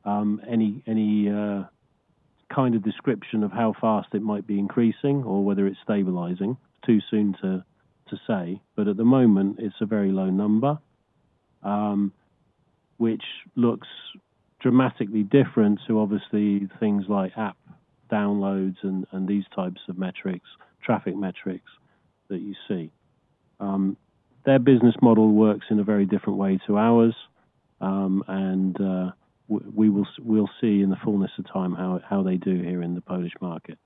any kind of description of how fast it might be increasing or whether it's stabilizing. Too soon to say, but at the moment, it's a very low number, which looks dramatically different to, obviously, things like app downloads and these types of metrics, traffic metrics that you see. Their business model works in a very different way to ours, and we'll see in the fullness of time, how they do here in the Polish market.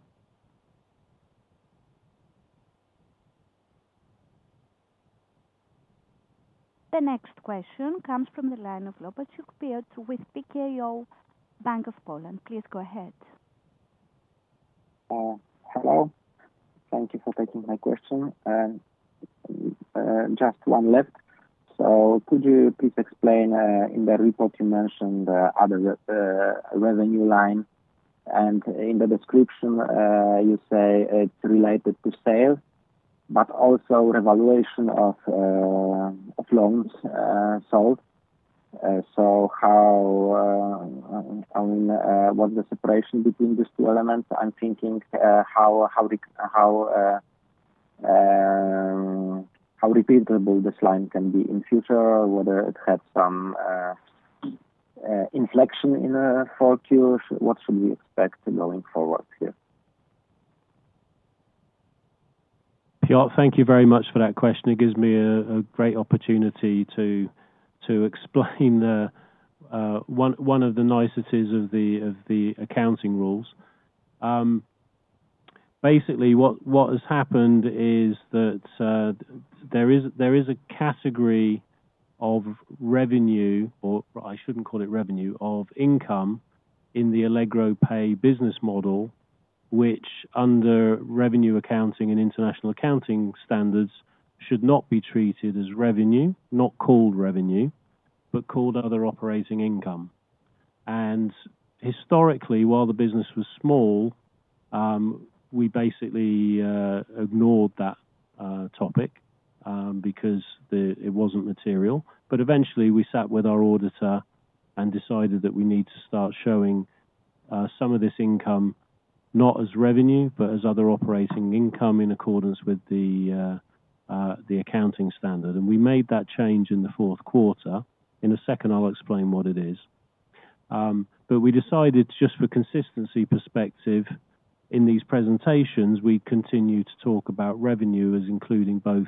The next question comes from the line of Piotr Łopaciuk with PKO Bank Polski. Please go ahead. Hello, thank you for taking my question. Just one left. So could you please explain in the report you mentioned other revenue line, and in the description you say it's related to sales, but also revaluation of loans sold. So, what's the separation between these two elements? I'm thinking how repeatable this line can be in future, or whether it had some inflection in fourth quarter. What should we expect going forward here? Piotr, thank you very much for that question. It gives me a great opportunity to explain one of the niceties of the accounting rules. Basically, what has happened is that there is a category of revenue, or I shouldn't call it revenue, of income in the Allegro Pay business model, which, under revenue accounting and international accounting standards, should not be treated as revenue, not called revenue, but called other operating income. And historically, while the business was small, we basically ignored that topic because it wasn't material. But eventually, we sat with our auditor and decided that we need to start showing some of this income, not as revenue, but as other operating income in accordance with the accounting standard. We made that change in the fourth quarter. In a second, I'll explain what it is. But we decided, just for consistency perspective in these presentations, we'd continue to talk about revenue as including both,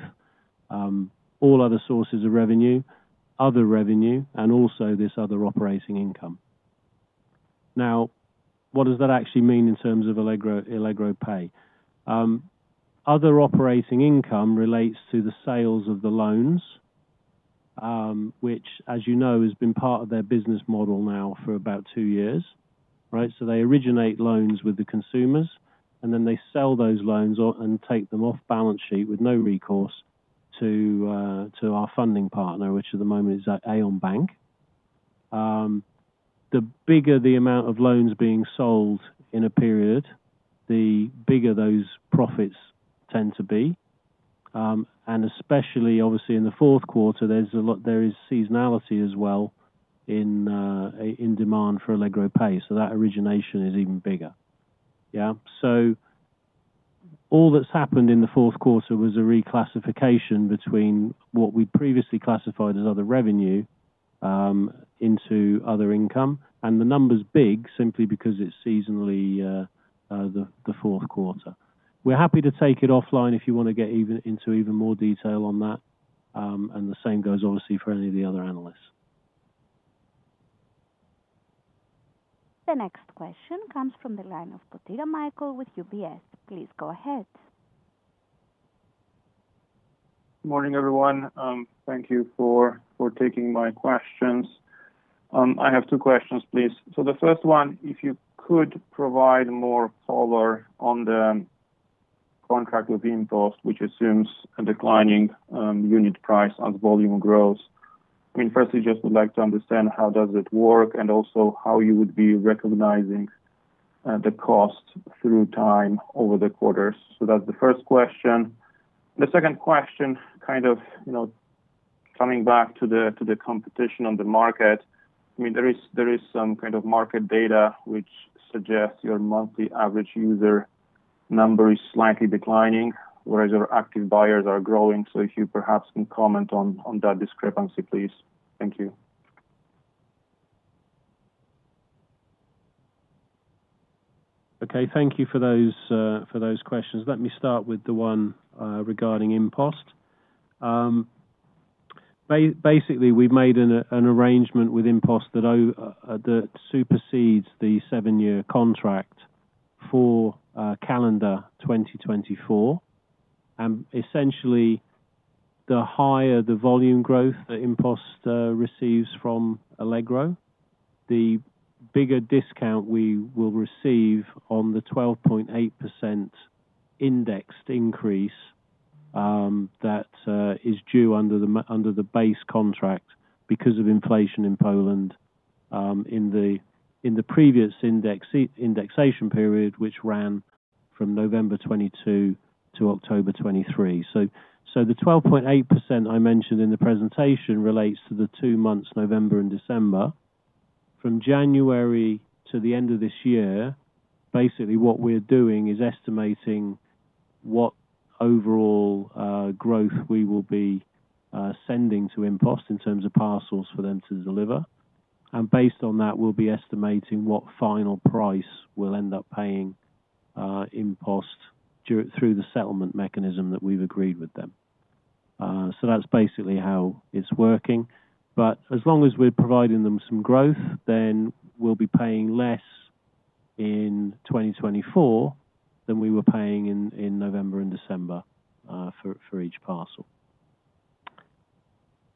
all other sources of revenue, other revenue, and also this other operating income. Now, what does that actually mean in terms of Allegro, Allegro Pay? Other operating income relates to the sales of the loans, which, as you know, has been part of their business model now for about two years, right? So they originate loans with the consumers, and then they sell those loans off and take them off balance sheet with no recourse to our funding partner, which at the moment is at Aion Bank. The bigger the amount of loans being sold in a period, the bigger those profits tend to be. And especially obviously in the fourth quarter, there's a lot—there is seasonality as well in, in demand for Allegro Pay, so that origination is even bigger. Yeah? So all that's happened in the fourth quarter was a reclassification between what we previously classified as other revenue, into other income, and the number is big simply because it's seasonally, the, the fourth quarter. We're happy to take it offline if you wanna get even, into even more detail on that, and the same goes obviously, for any of the other analysts. The next question comes from the line of Michał Potyra with UBS. Please go ahead. Morning, everyone. Thank you for taking my questions. I have two questions, please. So the first one, if you could provide more color on the contract with InPost, which assumes a declining unit price as volume grows. I mean, firstly, just would like to understand how does it work, and also how you would be recognizing the cost through time over the quarters. So that's the first question. The second question, kind of, you know, coming back to the competition on the market. I mean, there is some kind of market data which suggests your monthly average user number is slightly declining, whereas your active buyers are growing. So if you perhaps can comment on that discrepancy, please. Thank you. Okay, thank you for those, for those questions. Let me start with the one, regarding InPost. Basically, we made an arrangement with InPost that supersedes the 7-year contract for calendar 2024. Essentially, the higher the volume growth that InPost receives from Allegro, the bigger discount we will receive on the 12.8% indexed increase that is due under the base contract because of inflation in Poland, in the previous indexation period, which ran from November 2022 to October 2023. So the 12.8% I mentioned in the presentation relates to the 2 months, November and December. From January to the end of this year, basically, what we're doing is estimating what overall growth we will be sending to InPost in terms of parcels for them to deliver, and based on that, we'll be estimating what final price we'll end up paying InPost through the settlement mechanism that we've agreed with them. So that's basically how it's working. But as long as we're providing them some growth, then we'll be paying less in 2024 than we were paying in November and December for each parcel.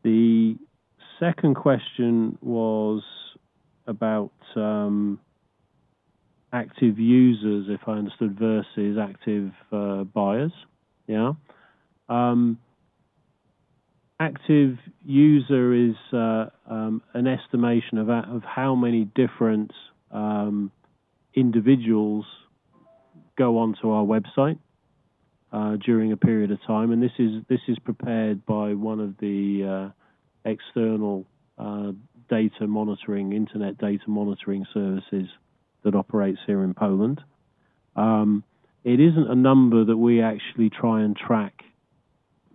The second question was about active users, if I understood, versus active buyers. Yeah? Active user is an estimation of how many different individuals go onto our website during a period of time, and this is prepared by one of the external data monitoring, internet data monitoring services that operates here in Poland. It isn't a number that we actually try and track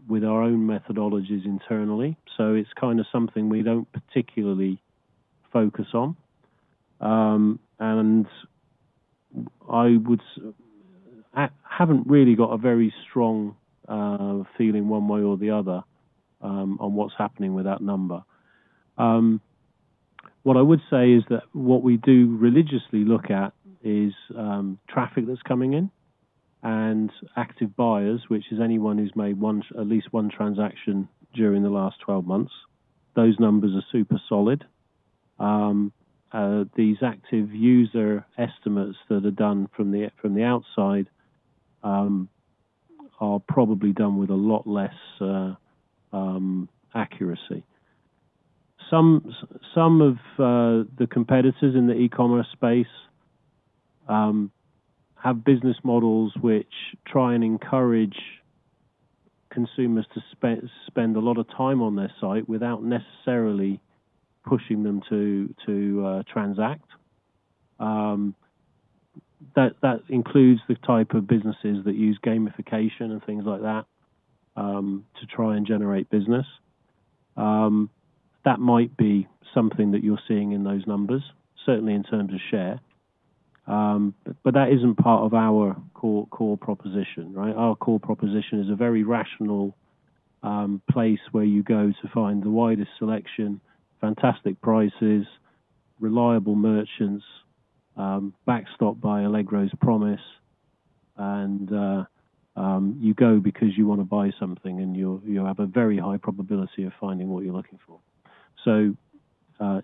with our own methodologies internally, so it's kind of something we don't particularly focus on. And I would... I haven't really got a very strong feeling one way or the other on what's happening with that number. What I would say is that what we do religiously look at is traffic that's coming in and active buyers, which is anyone who's made at least one transaction during the last 12 months. Those numbers are super solid. These active user estimates that are done from the, from the outside are probably done with a lot less accuracy. Some of the competitors in the e-commerce space have business models which try and encourage consumers to spend a lot of time on their site without necessarily pushing them to transact. That includes the type of businesses that use gamification and things like that to try and generate business. That might be something that you're seeing in those numbers, certainly in terms of share. But that isn't part of our core proposition, right? Our core proposition is a very rational place where you go to find the widest selection, fantastic prices, reliable merchants, backstop by Allegro's promise. And you go because you want to buy something, and you'll have a very high probability of finding what you're looking for. So,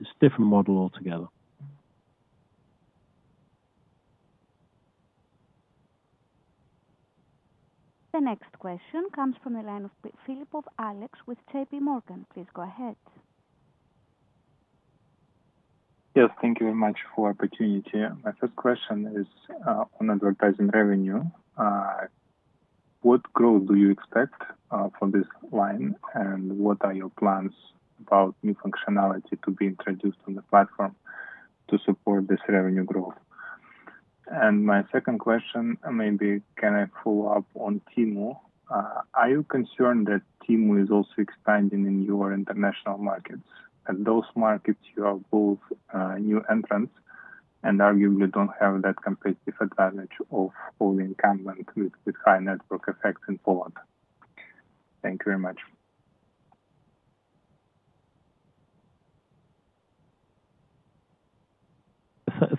it's a different model altogether. The next question comes from the line of Alexei Gogolev with JPMorgan. Please go ahead. Yes, thank you very much for opportunity. My first question is on advertising revenue. What growth do you expect from this line? And what are your plans about new functionality to be introduced on the platform to support this revenue growth? And my second question, maybe can I follow up on Temu? Are you concerned that Temu is also expanding in your international markets? In those markets, you are both new entrants and arguably don't have that competitive advantage of all the incumbent with high network effects in Poland. Thank you very much.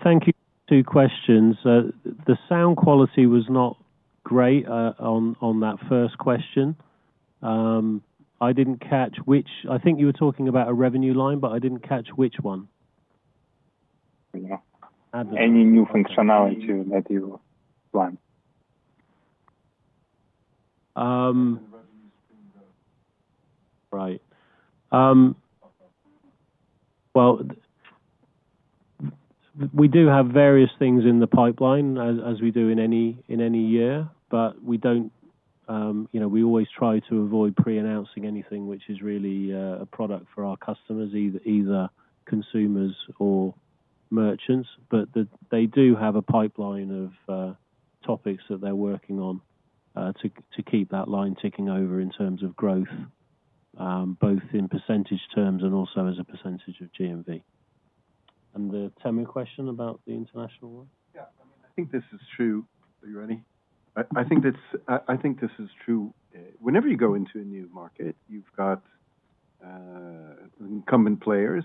Thank you. Two questions. The sound quality was not great on that first question. I didn't catch which... I think you were talking about a revenue line, but I didn't catch which one. Yeah. Advert- Any new functionality that you plan. Um. Revenue stream. Right. Well, we do have various things in the pipeline as we do in any year, but we don't, you know, we always try to avoid pre-announcing anything which is really a product for our customers, either consumers or merchants. But they do have a pipeline of topics that they're working on to keep that line ticking over in terms of growth, both in percentage terms and also as a percentage of GMV. And the second question about the international one? Yeah. I mean, I think this is true. Are you ready? I think it's true. Whenever you go into a new market, you've got incumbent players,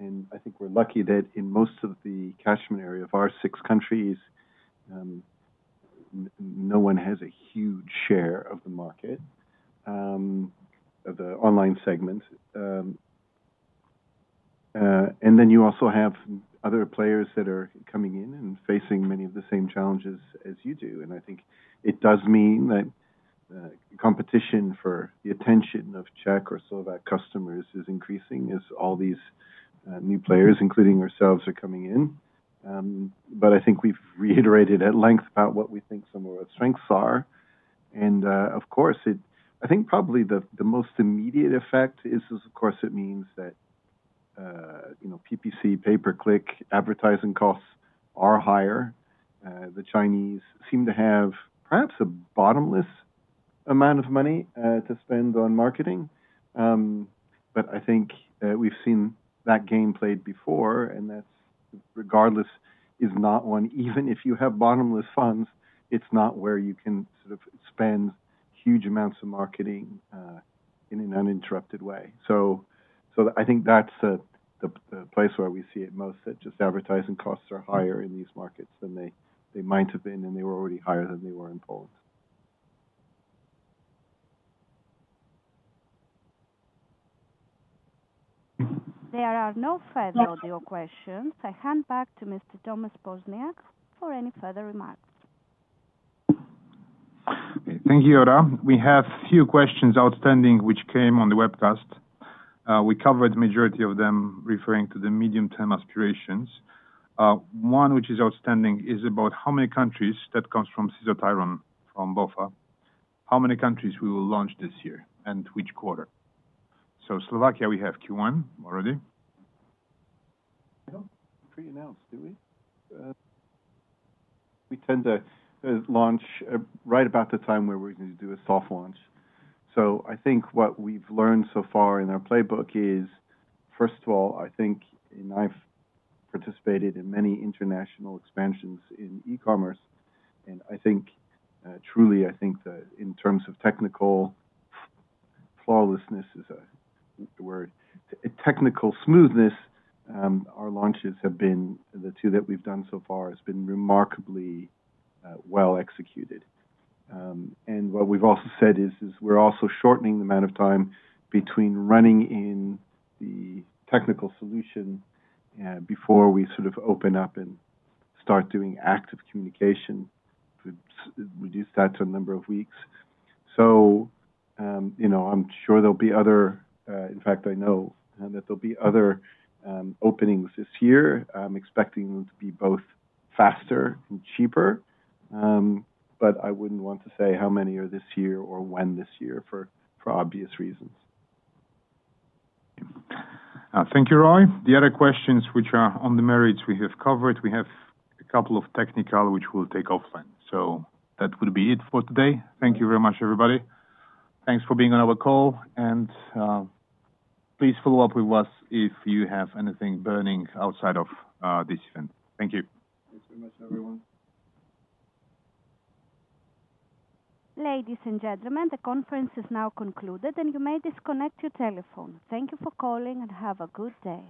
and I think we're lucky that in most of the catchment area of our six countries, no one has a huge share of the market of the online segment. And then you also have other players that are coming in and facing many of the same challenges as you do, and I think it does mean that competition for the attention of Czech or Slovak customers is increasing as all these new players, including ourselves, are coming in. But I think we've reiterated at length about what we think some of our strengths are. Of course, I think probably the most immediate effect is, of course, it means that, you know, PPC, pay-per-click, advertising costs are higher. The Chinese seem to have perhaps a bottomless amount of money to spend on marketing. But I think we've seen that game played before, and that's, regardless, is not one... Even if you have bottomless funds, it's not where you can sort of spend huge amounts of marketing in an uninterrupted way. So I think that's the place where we see it most, that just advertising costs are higher in these markets than they might have been, and they were already higher than they were in Poland. There are no further audio questions. I hand back to Mr. Tomasz Poźniak for any further remarks. Thank you, Aura. We have few questions outstanding, which came on the webcast. We covered the majority of them, referring to the medium-term aspirations. One which is outstanding is about how many countries, that comes from Cesar Tiron from Bank of America, how many countries we will launch this year, and which quarter? So Slovakia, we have Q1 already. We don't pre-announce, do we? We tend to launch right about the time where we're going to do a soft launch. So I think what we've learned so far in our playbook is, first of all, I think, and I've participated in many international expansions in e-commerce, and I think truly, I think that in terms of technical flawlessness is the word, technical smoothness, our launches have been, the two that we've done so far, has been remarkably well executed. And what we've also said is, we're also shortening the amount of time between running in the technical solution before we sort of open up and start doing active communication. We've reduced that to a number of weeks. So, you know, I'm sure there'll be other... In fact, I know that there'll be other openings this year. I'm expecting them to be both faster and cheaper. But I wouldn't want to say how many are this year or when this year, for obvious reasons. Thank you, Roy. The other questions which are on the merits we have covered; we have a couple of technical, which we'll take offline. So that will be it for today. Thank you very much, everybody. Thanks for being on our call, and please follow up with us if you have anything burning outside of this event. Thank you. Thanks very much, everyone. Ladies and gentlemen, the conference is now concluded, and you may disconnect your telephone. Thank you for calling, and have a good day.